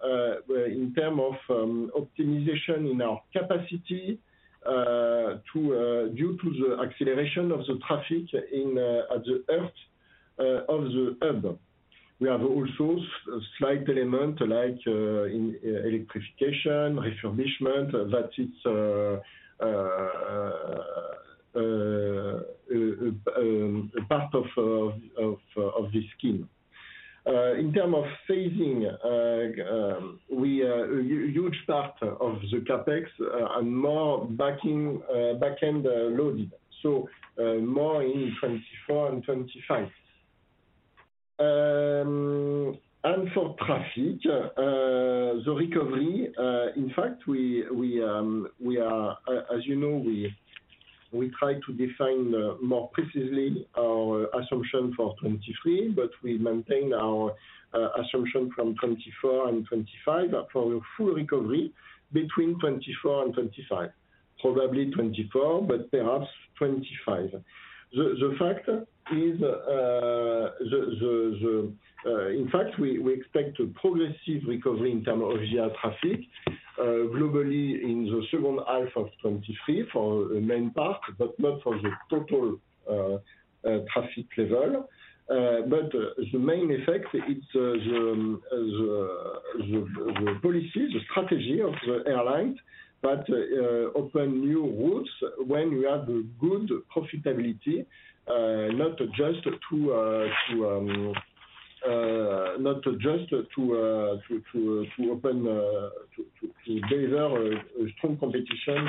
in term of optimization in our capacity, to due to the acceleration of the traffic in at the earth of the hub. We have also slight element like in electrification, refurbishment, that it's a part of this scheme. In term of phasing, we huge part of the CapEx are more backing back end loaded, so more in 2024 and 2025. For traffic, the recovery, in fact, we are, as you know, we try to define more precisely our assumption for 2023, but we maintain our assumption from 2024 and 2025 for full recovery between 2024 and 2025. Probably 2024, but perhaps 2025. The fact is, in fact, we expect to progressive recovery in term of geotraffic globally in the second half of 2023 for main part, but not for the total traffic level. The main effect, it's the policy, the strategy of the airlines that open new routes when we have good profitability, not just to not just to open to deserve a strong competition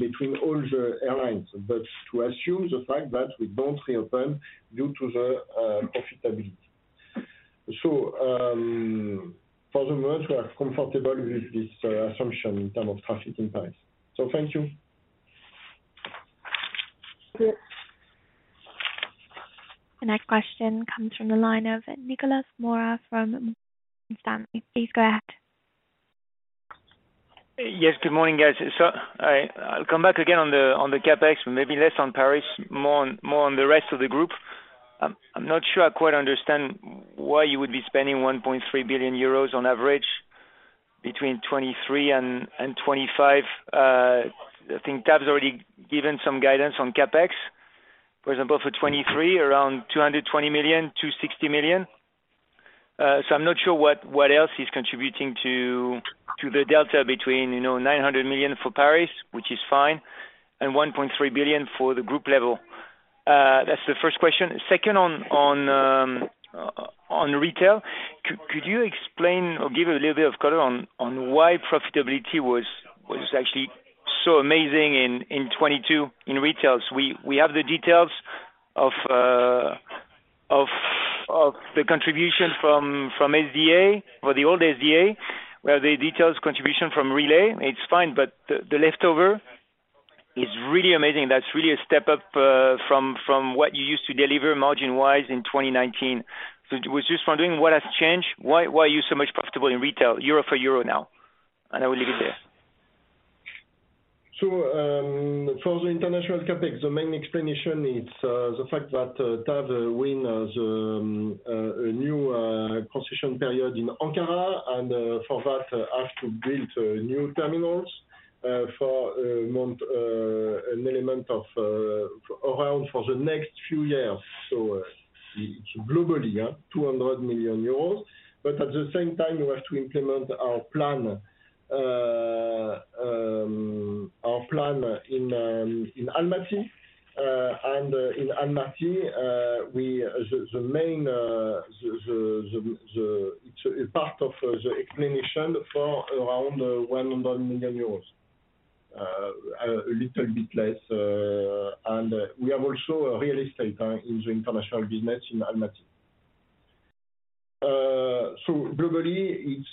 between all the airlines, but to assume the fact that we don't reopen due to the profitability. For the month, we are comfortable with this assumption in term of traffic and price. Thank you. The next question comes from the line of Nicolas Mora from Stanley. Please go ahead. Good morning, guys. I'll come back again on the CapEx, maybe less on Paris, more on the rest of the group. I'm not sure I quite understand why you would be spending 1.3 billion euros on average between 2023 and 2025. I think TAV's already given some guidance on CapEx. For example, for 2023, around 220 million, 260 million. I'm not sure what else is contributing to the delta between, you know, 900 million for Paris, which is fine, and 1.3 billion for the group level. That's the first question. Second, on retail. Could you explain or give a little bit of color on why profitability was actually so amazing in 2022 in retails? We have the details of the contribution from SVA, for the old SVA, we have the details contribution from Relay. It's fine, but the leftover. It's really amazing. That's really a step up from what you used to deliver margin-wise in 2019. Was just wondering what has changed. Why, why are you so much profitable in retail EUR for EUR now? I will leave it there. So the international CapEx, the main explanation is the fact that TAV won a new concession period in Ankara, and for that has to build new terminals for an element of around for the next few years. It's globally, yeah, 200 million euros. But at the same time, we have to implement our plan in Almaty. And in Almaty, the main it's a part of the explanation for around 100 million euros, a little bit less. And we have also a real estate in the international business in Almaty. So globally, it's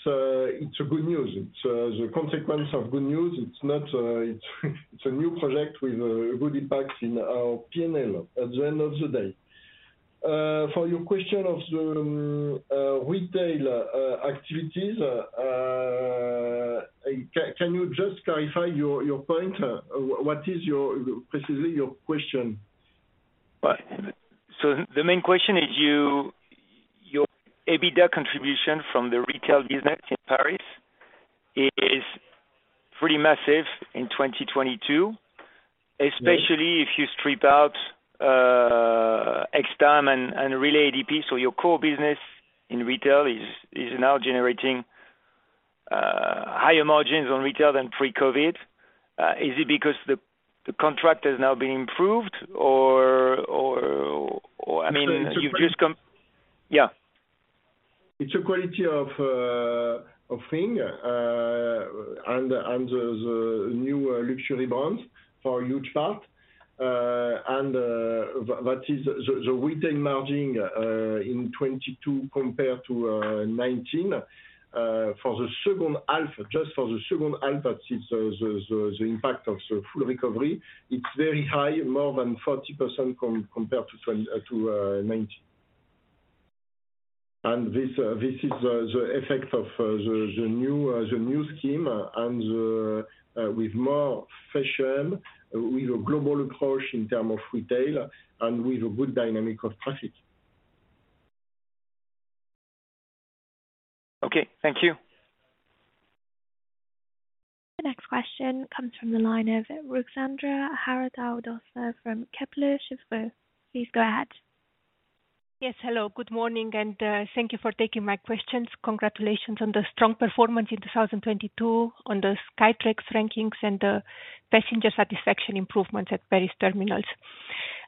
a good news. It's the consequence of good news. It's not, it's a new project with good impacts in our P&L at the end of the day. For your question of the retail activities, can you just clarify your point? What is your precisely your question? The main question is your EBITDA contribution from the retail business in Paris is pretty massive in 2022, especially if you strip out Extime and Relay@ADP. Your core business in retail is now generating higher margins on retail than pre-COVID. Is it because the contract has now been improved, or, I mean, you've just come- It's. Yeah. It's a quality of of thing, and the new luxury brands for a huge part. That is the retail margin in 2022 compared to 2019, for the second half. Just for the second half, that is the impact of the full recovery. It's very high, more than 40% compared to 2019. This is the effect of the new scheme and the with more fashion, with a global approach in term of retail and with a good dynamic of traffic. Okay. Thank you. The next question comes from the line of Ruxandra Haradau-Doser from Kepler Cheuvreux. Please go ahead. Yes, hello. Good morning. Thank you for taking my questions. Congratulations on the strong performance in 2022 on the Skytrax rankings and the passenger satisfaction improvements at Paris terminals.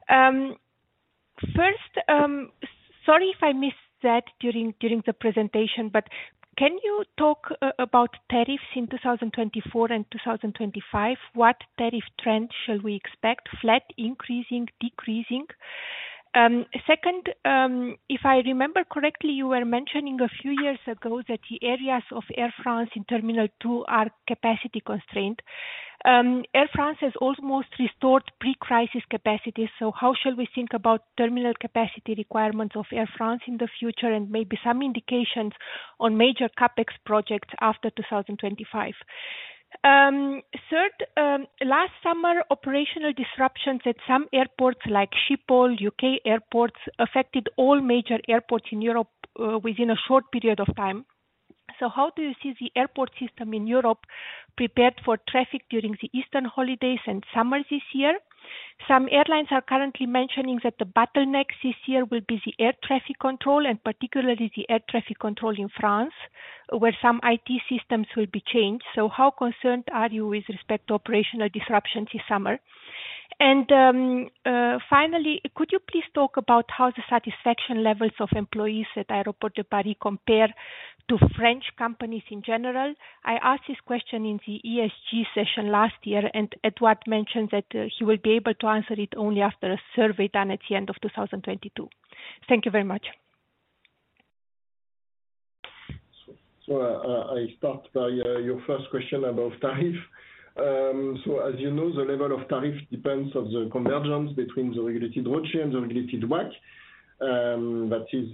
First, sorry if I missed that during the presentation, can you talk about tariffs in 2024 and 2025? What tariff trend shall we expect? Flat, increasing, decreasing? Second, if I remember correctly, you were mentioning a few years ago that the areas of Air France in Terminal 2 are capacity constrained. Air France has almost restored pre-crisis capacity, how shall we think about terminal capacity requirements of Air France in the future, and maybe some indications on major CapEx projects after 2025? Third, last summer, operational disruptions at some airports like Schiphol, UK airports affected all major airports in Europe within a short period of time. How do you see the airport system in Europe prepared for traffic during the Eastern holidays and summer this year? Some airlines are currently mentioning that the bottleneck this year will be the air traffic control and particularly the air traffic control in France, where some IT systems will be changed. How concerned are you with respect to operational disruptions this summer? Finally, could you please talk about how the satisfaction levels of employees at Aéroports de Paris compare to French companies in general? I asked this question in the ESG session last year, Edward mentioned that he will be able to answer it only after a survey done at the end of 2022. Thank you very much. I start by your first question about tariff. As you know, the level of tariff depends on the convergence between the regulated ROCE and the regulated WACC. That is,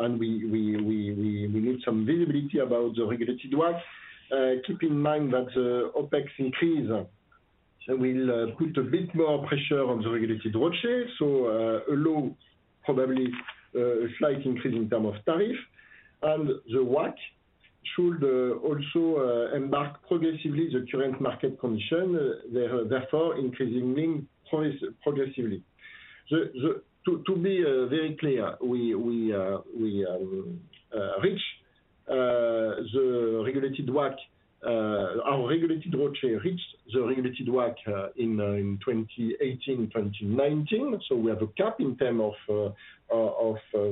and we need some visibility about the regulated WACC. Keep in mind that OpEx increase will put a bit more pressure on the regulated ROCE, so a low, probably, a slight increase in term of tariff. The WACC should also embark progressively the current market condition, therefore, increasing mean price progressively. To be very clear, we reach the regulated WACC, our regulated ROCE reached the regulated WACC in 2018, 2019. We have a cap in term of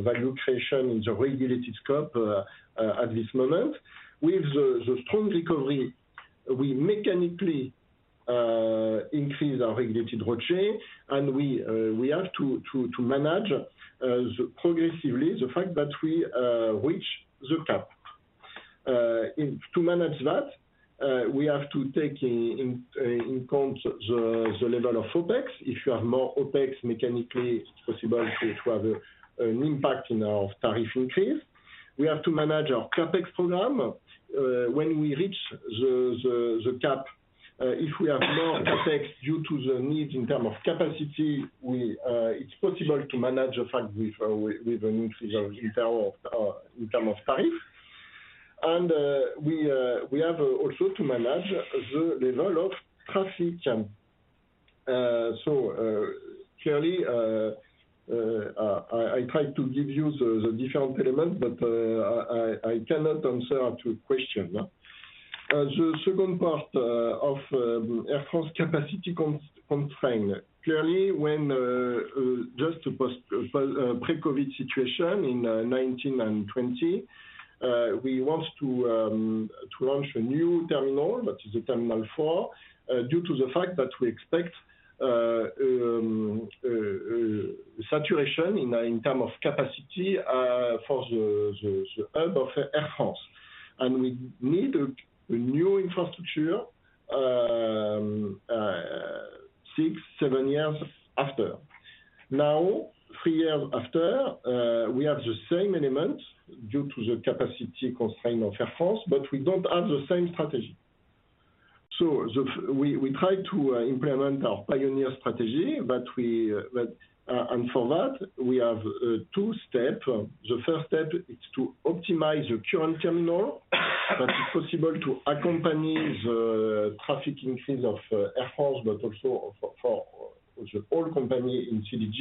value creation in the regulated scope at this moment. With the strong recovery, we mechanically increase our regulated ROCE, and we have to manage progressively the fact that we reach the cap. To manage that, we have to take in count the level of OpEx. If you have more OpEx, mechanically it's possible to have an impact in our tariff increase. We have to manage our CapEx program. When we reach the cap, if we have more CapEx due to the needs in term of capacity, we it's possible to manage a fact with an increase in term of in term of tariff. We have also to manage the level of traffic jam. Clearly, I tried to give you the different elements, but I cannot answer your two question. The second part of Air France capacity constrain. Clearly, when pre-COVID situation in 19 and 20, we want to launch a new terminal, that is the Terminal 4, due to the fact that we expect saturation in term of capacity for the hub of Air France. We need a new infrastructure 6, 7 years after. Now, 3 years after, we have the same element due to the capacity constraint of Air France, but we don't have the same strategy. We try to implement our Pioneer strategy. For that, we have two step. The first step is to optimize the current terminal that is possible to accompany the traffic increase of Air France, but also for the all company in CDG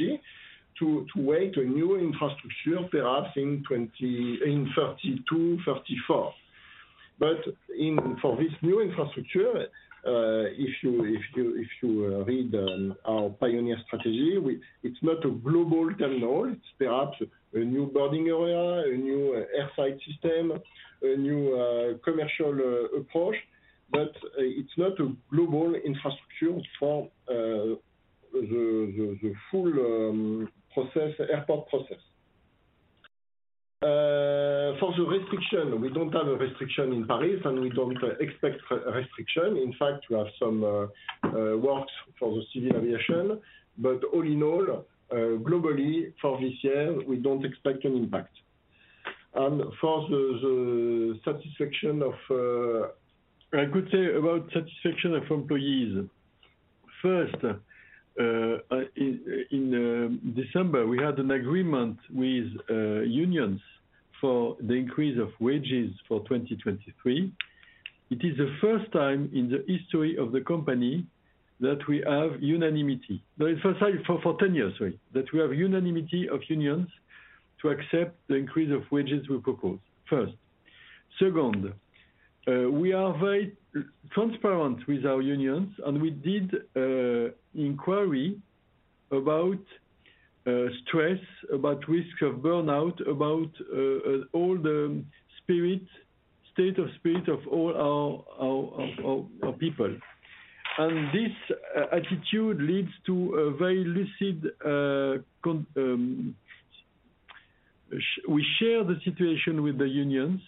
to wait a new infrastructure perhaps in 2032, 2034. For this new infrastructure, if you read our Pioneer strategy, it's not a global terminal. It's perhaps a new boarding area, a new air side system, a new commercial approach, but it's not a global infrastructure for the full process, airport process. For the restriction, we don't have a restriction in Paris, and we don't expect re-restriction. In fact, we have some work for the civil aviation. All in all, globally for this year, we don't expect an impact. I could say about satisfaction of employees. First, in December, we had an agreement with unions for the increase of wages for 2023. It is the first time in the history of the company that we have unanimity. The first time for 10 years, sorry, that we have unanimity of unions to accept the increase of wages we propose, first. Second, we are very transparent with our unions, we did an inquiry about stress, about risk of burnout, about all the spirit, state of spirit of all our people. This attitude leads to a very lucid, we share the situation with the unions,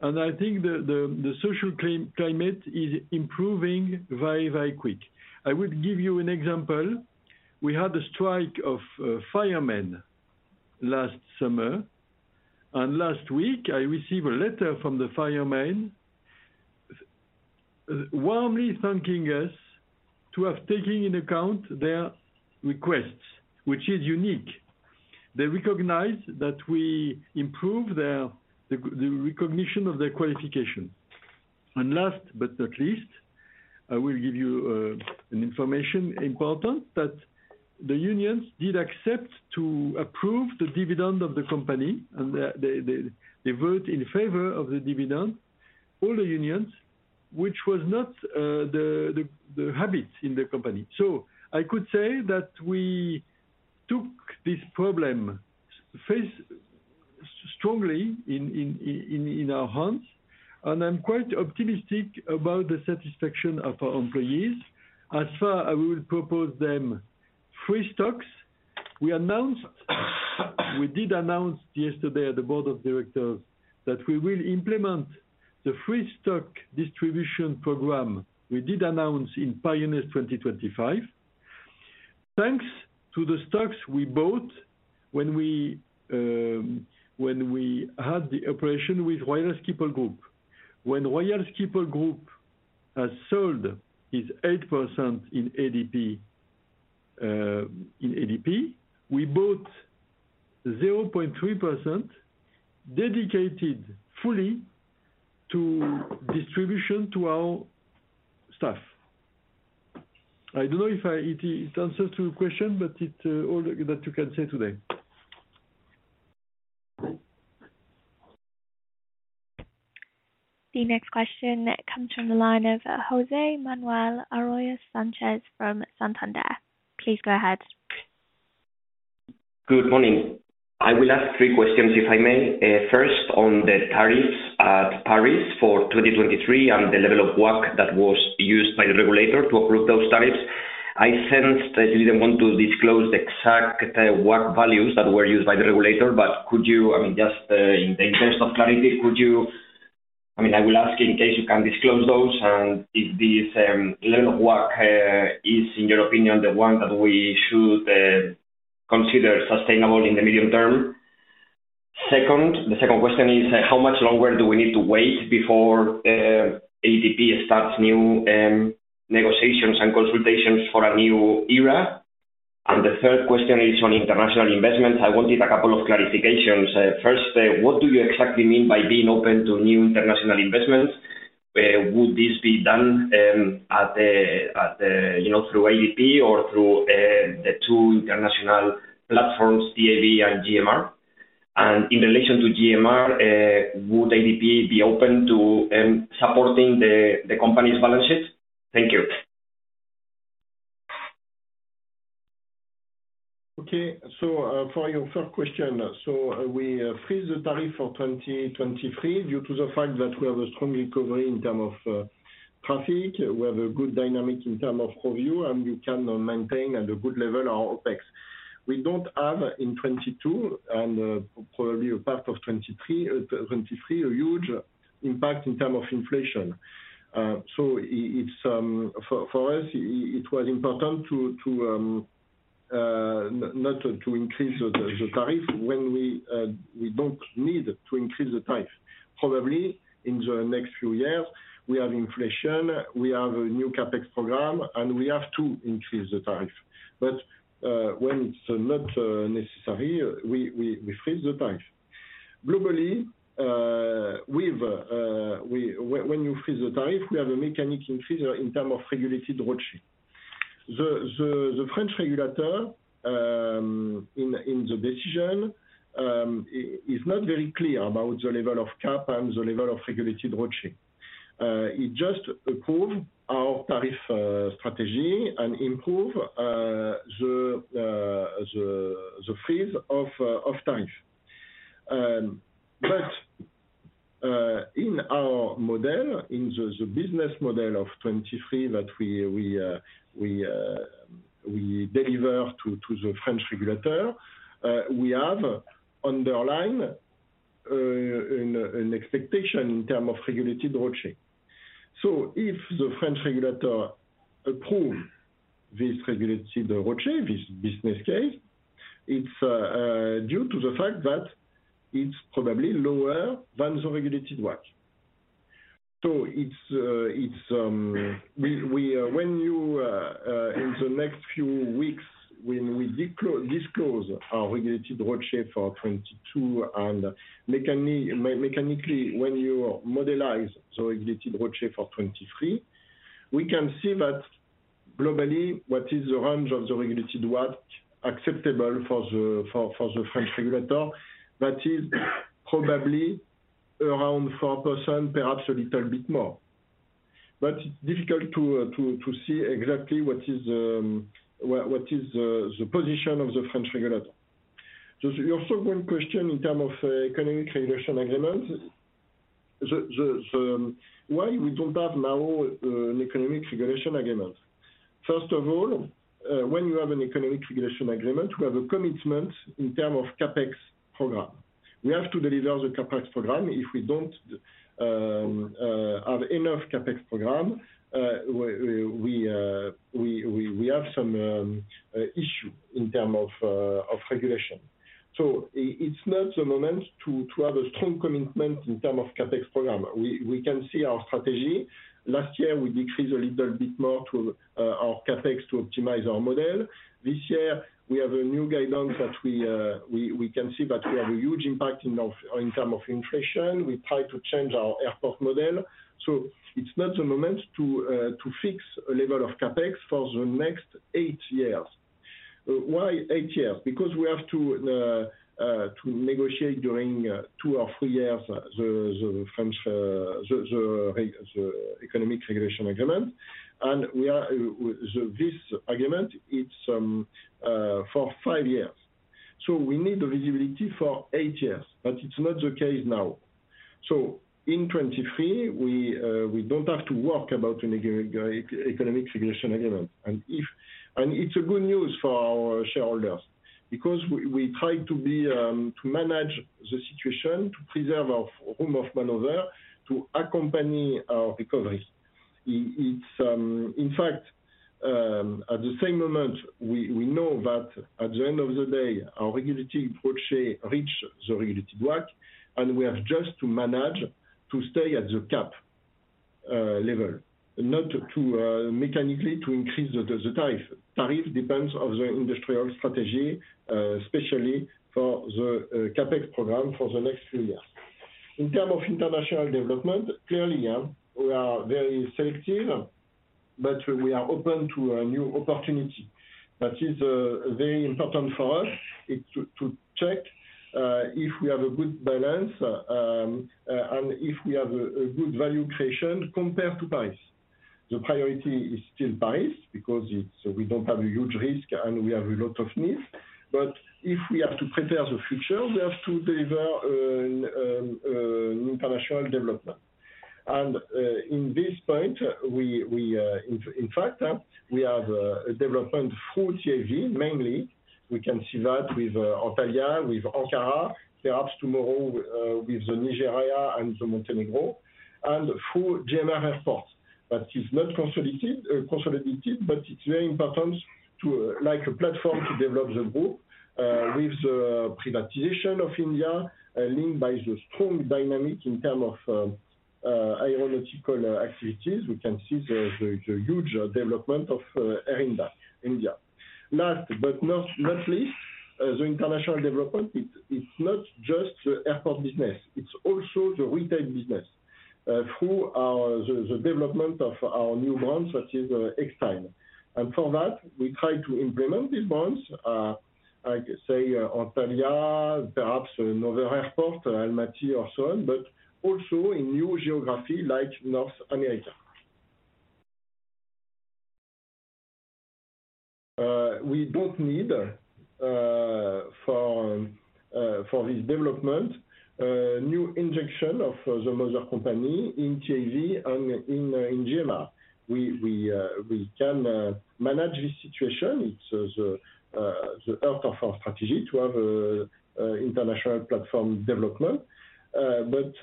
and I think the social climate is improving very, very quick. I will give you an example. We had a strike of firemen last summer, and last week I received a letter from the firemen warmly thanking us to have taken in account their requests, which is unique. They recognize that we improve their recognition of their qualification. Last but not least, I will give you an information important, that the unions did accept to approve the dividend of the company and they vote in favor of the dividend, all the unions, which was not the habit in the company. I could say that we took this problem face strongly in our hands, and I'm quite optimistic about the satisfaction of our employees. As far I will propose them free stocks. We did announce yesterday at the board of directors that we will implement the free stock distribution program we did announce in Pioneers 2025. Thanks to the stocks we bought when we had the operation with Royal Schiphol Group. When Royal Schiphol Group has sold its 8% in ADP, in ADP, we bought 0.3% dedicated fully to distribution to our staff. I don't know if it is answer to your question, but it all that you can say today. The next question comes from the line of José Manuel Arroyas from Santander. Please go ahead. Good morning. I will ask three questions, if I may. First, on the tariffs at Paris for 2023 and the level of work that was used by the regulator to approve those tariffs. I sensed that you didn't want to disclose the exact WACC values that were used by the regulator. Could you. I mean, I will ask you in case you can disclose those, and if this level of WACC is, in your opinion, the one that we should consider sustainable in the medium term. Second, the second question is, how much longer do we need to wait before ADP starts new negotiations and consultations for a new era? The third question is on international investments. I wanted a couple of clarifications. First, what do you exactly mean by being open to new international investments? Would this be done through ADP or through the two international platforms, TAV and GMR? In relation to GMR, would ADP be open to supporting the company's balance sheet? Thank you. Okay. For your first question, we freeze the tariff for 2023 due to the fact that we have a strong recovery in term of traffic. We have a good dynamic in term of revenue, and we can maintain at a good level our OpEx. We don't have in 2022 and probably a part of 2023 a huge impact in term of inflation. It's for us, it was important to not to increase the tariff when we don't need to increase the tariff. Probably in the next few years, we have inflation, we have a new CapEx program, and we have to increase the tariff. When it's not necessary, we freeze the tariff. Globally, we've When you freeze the tariff, we have a mechanic increase in term of regulated ROCE. The French regulator, in the decision, is not very clear about the level of cap and the level of regulated ROCE. He just approved our tariff strategy and improve the freeze of tariff. In our model, in the business model of 23 that we deliver to the French regulator, we have underlying an expectation in term of regulated ROCE. If the French regulator approve this regulated ROCE, this business case, it's due to the fact that it's probably lower than the regulated WACC. It's, it's, we. When you in the next few weeks, when we disclose our regulated ROCE for 22 and mechanically, when you modelize the regulated ROCE for 23, we can see that globally what is the range of the regulated WACC acceptable for the French regulator, that is probably around 4%, perhaps a little bit more. It's difficult to see exactly what is the position of the French regulator. The second question in term of economic regulation agreement. The why we don't have now an economic regulation agreement. First of all, when you have an economic regulation agreement, we have a commitment in term of CapEx program. We have to deliver the CapEx program. If we don't have enough CapEx program, we have some issue in term of regulation. It's not the moment to have a strong commitment in term of CapEx program. We can see our strategy. Last year, we decreased a little bit more to our CapEx to optimize our model. This year, we have a new guidance that we can see that we have a huge impact in term of inflation. We try to change our airport model. It's not the moment to fix a level of CapEx for the next eight years. Why eight years? Because we have to negotiate during two or three years the French economic regulation agreement. We are... With this agreement, it's for five years. We need the visibility for eight years, but it's not the case now. In 2023, we don't have to work about an economic regulation agreement. It's a good news for our shareholders because we try to be to manage the situation, to preserve our room of maneuver to accompany our recovery. It's. In fact, at the same moment, we know that at the end of the day, our regulated ROCE reach the regulated WACC, and we have just to manage to stay at the cap level, not to mechanically to increase the tariff. Tariff depends of the industrial strategy, especially for the CapEx program for the next few years. In terms of international development, clearly, yeah, we are very selective, but we are open to a new opportunity. That is very important for us, is to check if we have a good balance and if we have a good value creation compared to Paris. The priority is still Paris because we don't have a huge risk, and we have a lot of needs. But if we have to prepare the future, we have to deliver international development. In this point, we in fact, we have a development for JV mainly. We can see that with Antalya, with Ankara, perhaps tomorrow, with the Nigeria and the Montenegro and full GMR Airports. That is not consolidated, but it's very important to like a platform to develop the group with the privatization of India linked by the strong dynamic in term of aeronautical activities. We can see the huge development of Air India. Not least, the international development. It's not just the airport business, it's also the retail business through our the development of our new brands, which is Extime. For that, we try to implement these brands like, say, Antalya, perhaps another airport, Almaty or so on, but also in new geography like North America. We don't need for this development new injection of the mother company in JV and in GMR. We can manage this situation. It's the heart of our strategy to have a international platform development, but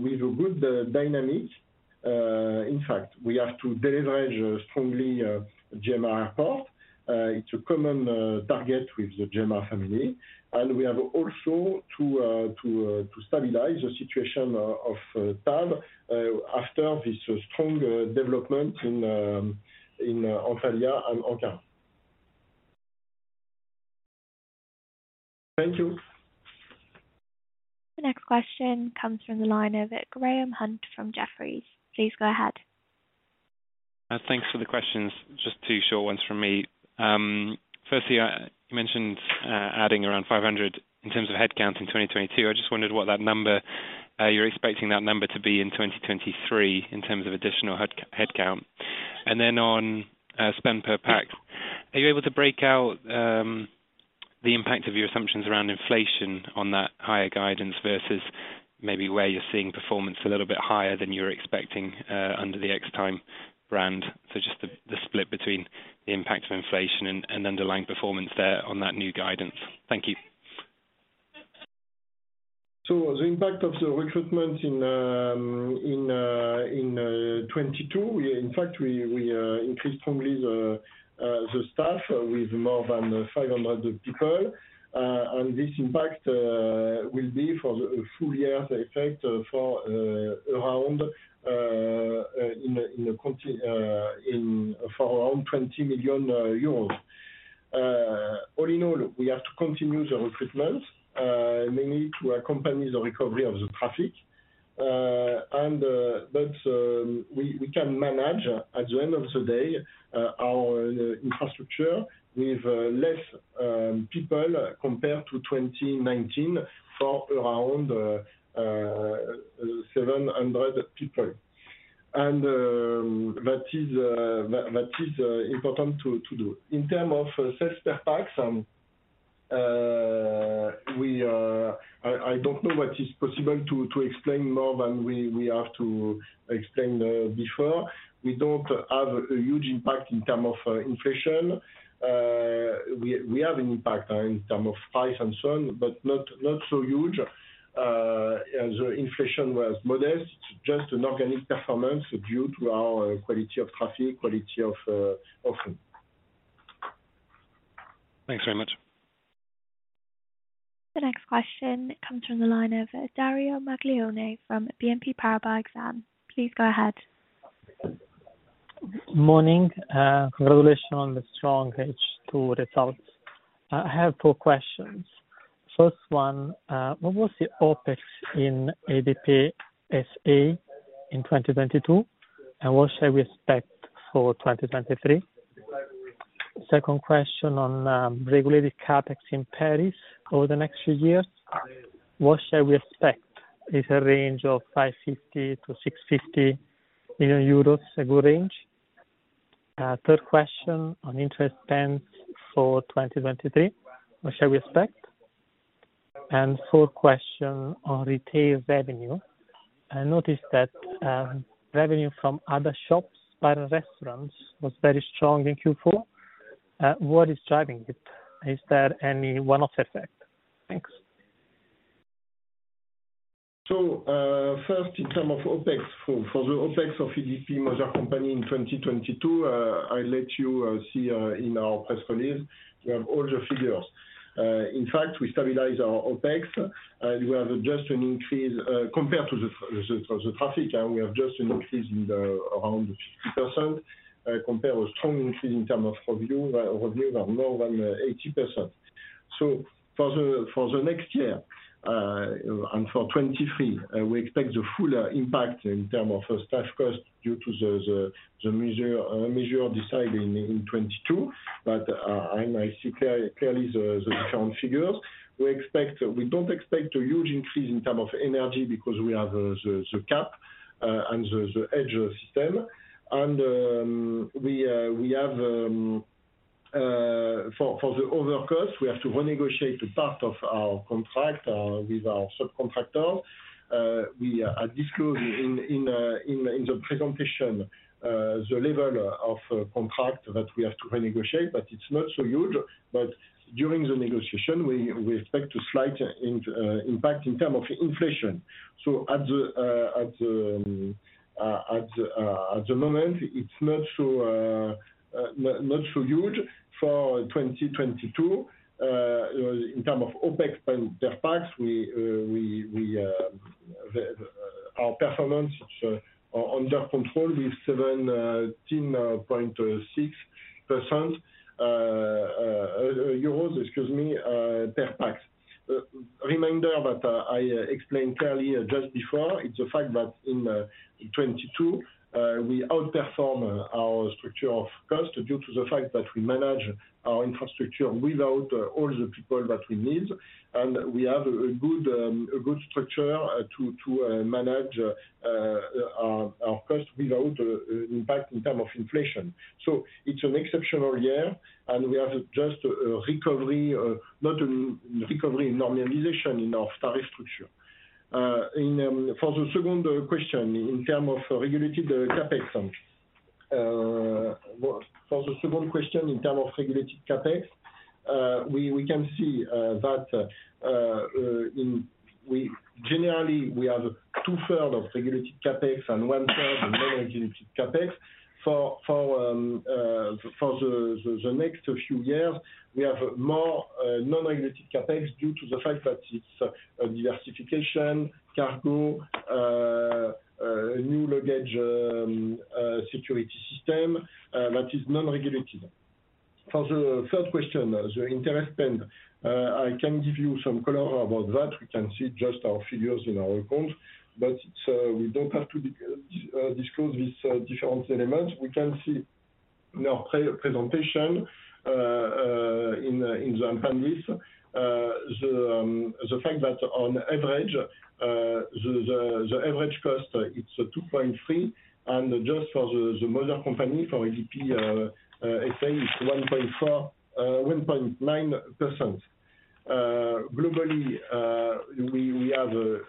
with a good dynamic. In fact, we have to deleverage strongly GMR Airports. It's a common target with the GMR family. We have also to stabilize the situation of TAV, after this strong development in Antalya and Ankara. Thank you. The next question comes from the line of Graham Hunt from Jefferies. Please go ahead. Thanks for the questions. Just two short ones from me. Firstly, you mentioned adding around 500 in terms of headcount in 2022. I just wondered what that number you're expecting that number to be in 2023 in terms of additional headcount. Then on spend per pax, are you able to break out the impact of your assumptions around inflation on that higher guidance versus maybe where you're seeing performance a little bit higher than you're expecting under the Extime brand? Just the split between the impact of inflation and underlying performance there on that new guidance. Thank you. The impact of the recruitment in 2022, we increased strongly the staff with more than 500 people. This impact will be for the full year effect for around 20 million euros. All in all, we have to continue the recruitment mainly to accompany the recovery of the traffic. We can manage at the end of the day our infrastructure with less people compared to 2019 for around 700 people. That is important to do. In terms of sales per pax, I don't know what is possible to explain more than we have to explain before. We don't have a huge impact in terms of inflation. We have impact in terms of price and so on, but not so huge. The inflation was modest, just an organic performance due to our quality of traffic, quality of offering. Thanks very much. The next question comes from the line of Dario Maglione from BNP Paribas Exane. Please go ahead. Morning. Congratulations on the strong H2 results. I have two questions. First one, what was the OpEx in ADP SA in 2022? What shall we expect for 2023? Second question on regulated CapEx in Paris over the next few years. What shall we expect? Is a range of 550 million-650 million euros a good range? Third question on interest spend for 2023, what shall we expect? Fourth question on retail revenue. I noticed that revenue from other shops bar and restaurants was very strong in Q4. What is driving it? Is there any one-off effect? Thanks. First in term of OpEx. For the OpEx of ADP mother company in 2022, I let you see in our press release. We have all the figures. In fact, we stabilize our OpEx, we have just an increase compared to the traffic, and we have just an increase in the around 50% compared with strong increase in term of reviews of more than 80%. For the next year, and for 2023, we expect the full impact in term of staff cost due to the measure decided in 2022. I see clearly the current figures. We don't expect a huge increase in terms of energy because we have the cap and the hedge system. We have for the overcost, we have to renegotiate the part of our contract with our subcontractor. We are disclosing in the presentation the level of contract that we have to renegotiate, it's not so huge. During the negotiation we expect a slight impact in terms of inflation. At the moment, it's not so huge for 2022. In terms of OpEx per pax, our performance is under control with EUR 17.6 per pax. Reminder that I explained clearly just before, it's a fact that in 22, we outperform our structure of cost due to the fact that we manage our infrastructure without all the people that we need. We have a good structure to manage our cost without impact in term of inflation. It's an exceptional year and we have just a recovery, not a recovery, normalization in our tariff structure. In for the second question in term of regulated CapEx. For the second question in term of regulated CapEx, we can see that in Generally, we have two-third of regulated CapEx and one-third of non-regulated CapEx. For the next few years, we have more non-regulated CapEx due to the fact that it's a diversification cargo, new luggage, security system that is non-regulated. For the third question, the interest spend, I can give you some color about that. We can see just our figures in our account, but we don't have to disclose these different elements. We can see in our pre-presentation in the handbook. The fact that on average, the average cost it's 2.3%. Just for the mother company, for ADP SA, it's 1.4%, 1.9%. Globally, we have a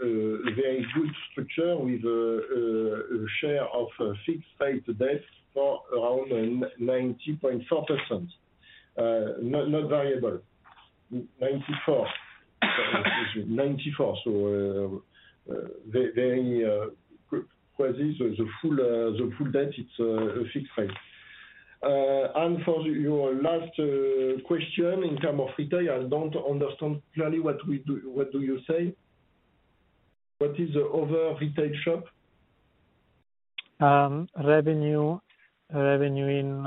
very good structure with a share of fixed rate debt for around 90.4%. not variable. 94. Very good position. The full debt, it's a fixed rate. For your last question in term of retail, I don't understand clearly what do you say. What is the other retail shop? Revenue in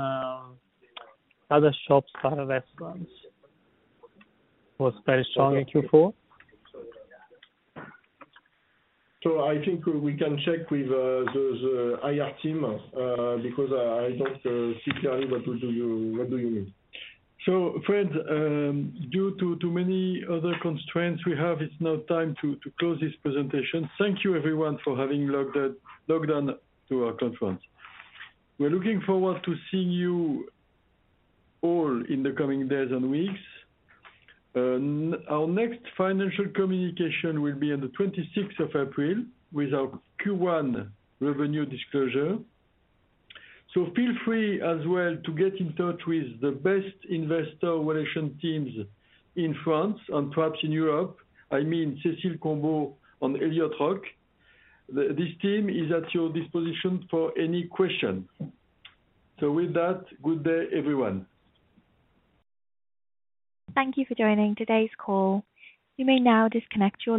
other shops and restaurants was very strong in Q4. I think we can check with the IR team because I don't see clearly what do you mean. Friends, due to too many other constraints we have, it's now time to close this presentation. Thank you everyone for having logged on to our conference. We're looking forward to seeing you all in the coming days and weeks. Our next financial communication will be on the 26th of April with our Q1 revenue disclosure. Feel free as well to get in touch with the best investor relation teams in France and perhaps in Europe. I mean, Cécile Combeau and Eliott Roch. This team is at your disposition for any question. With that, good day everyone. Thank you for joining today's call. You may now disconnect your line.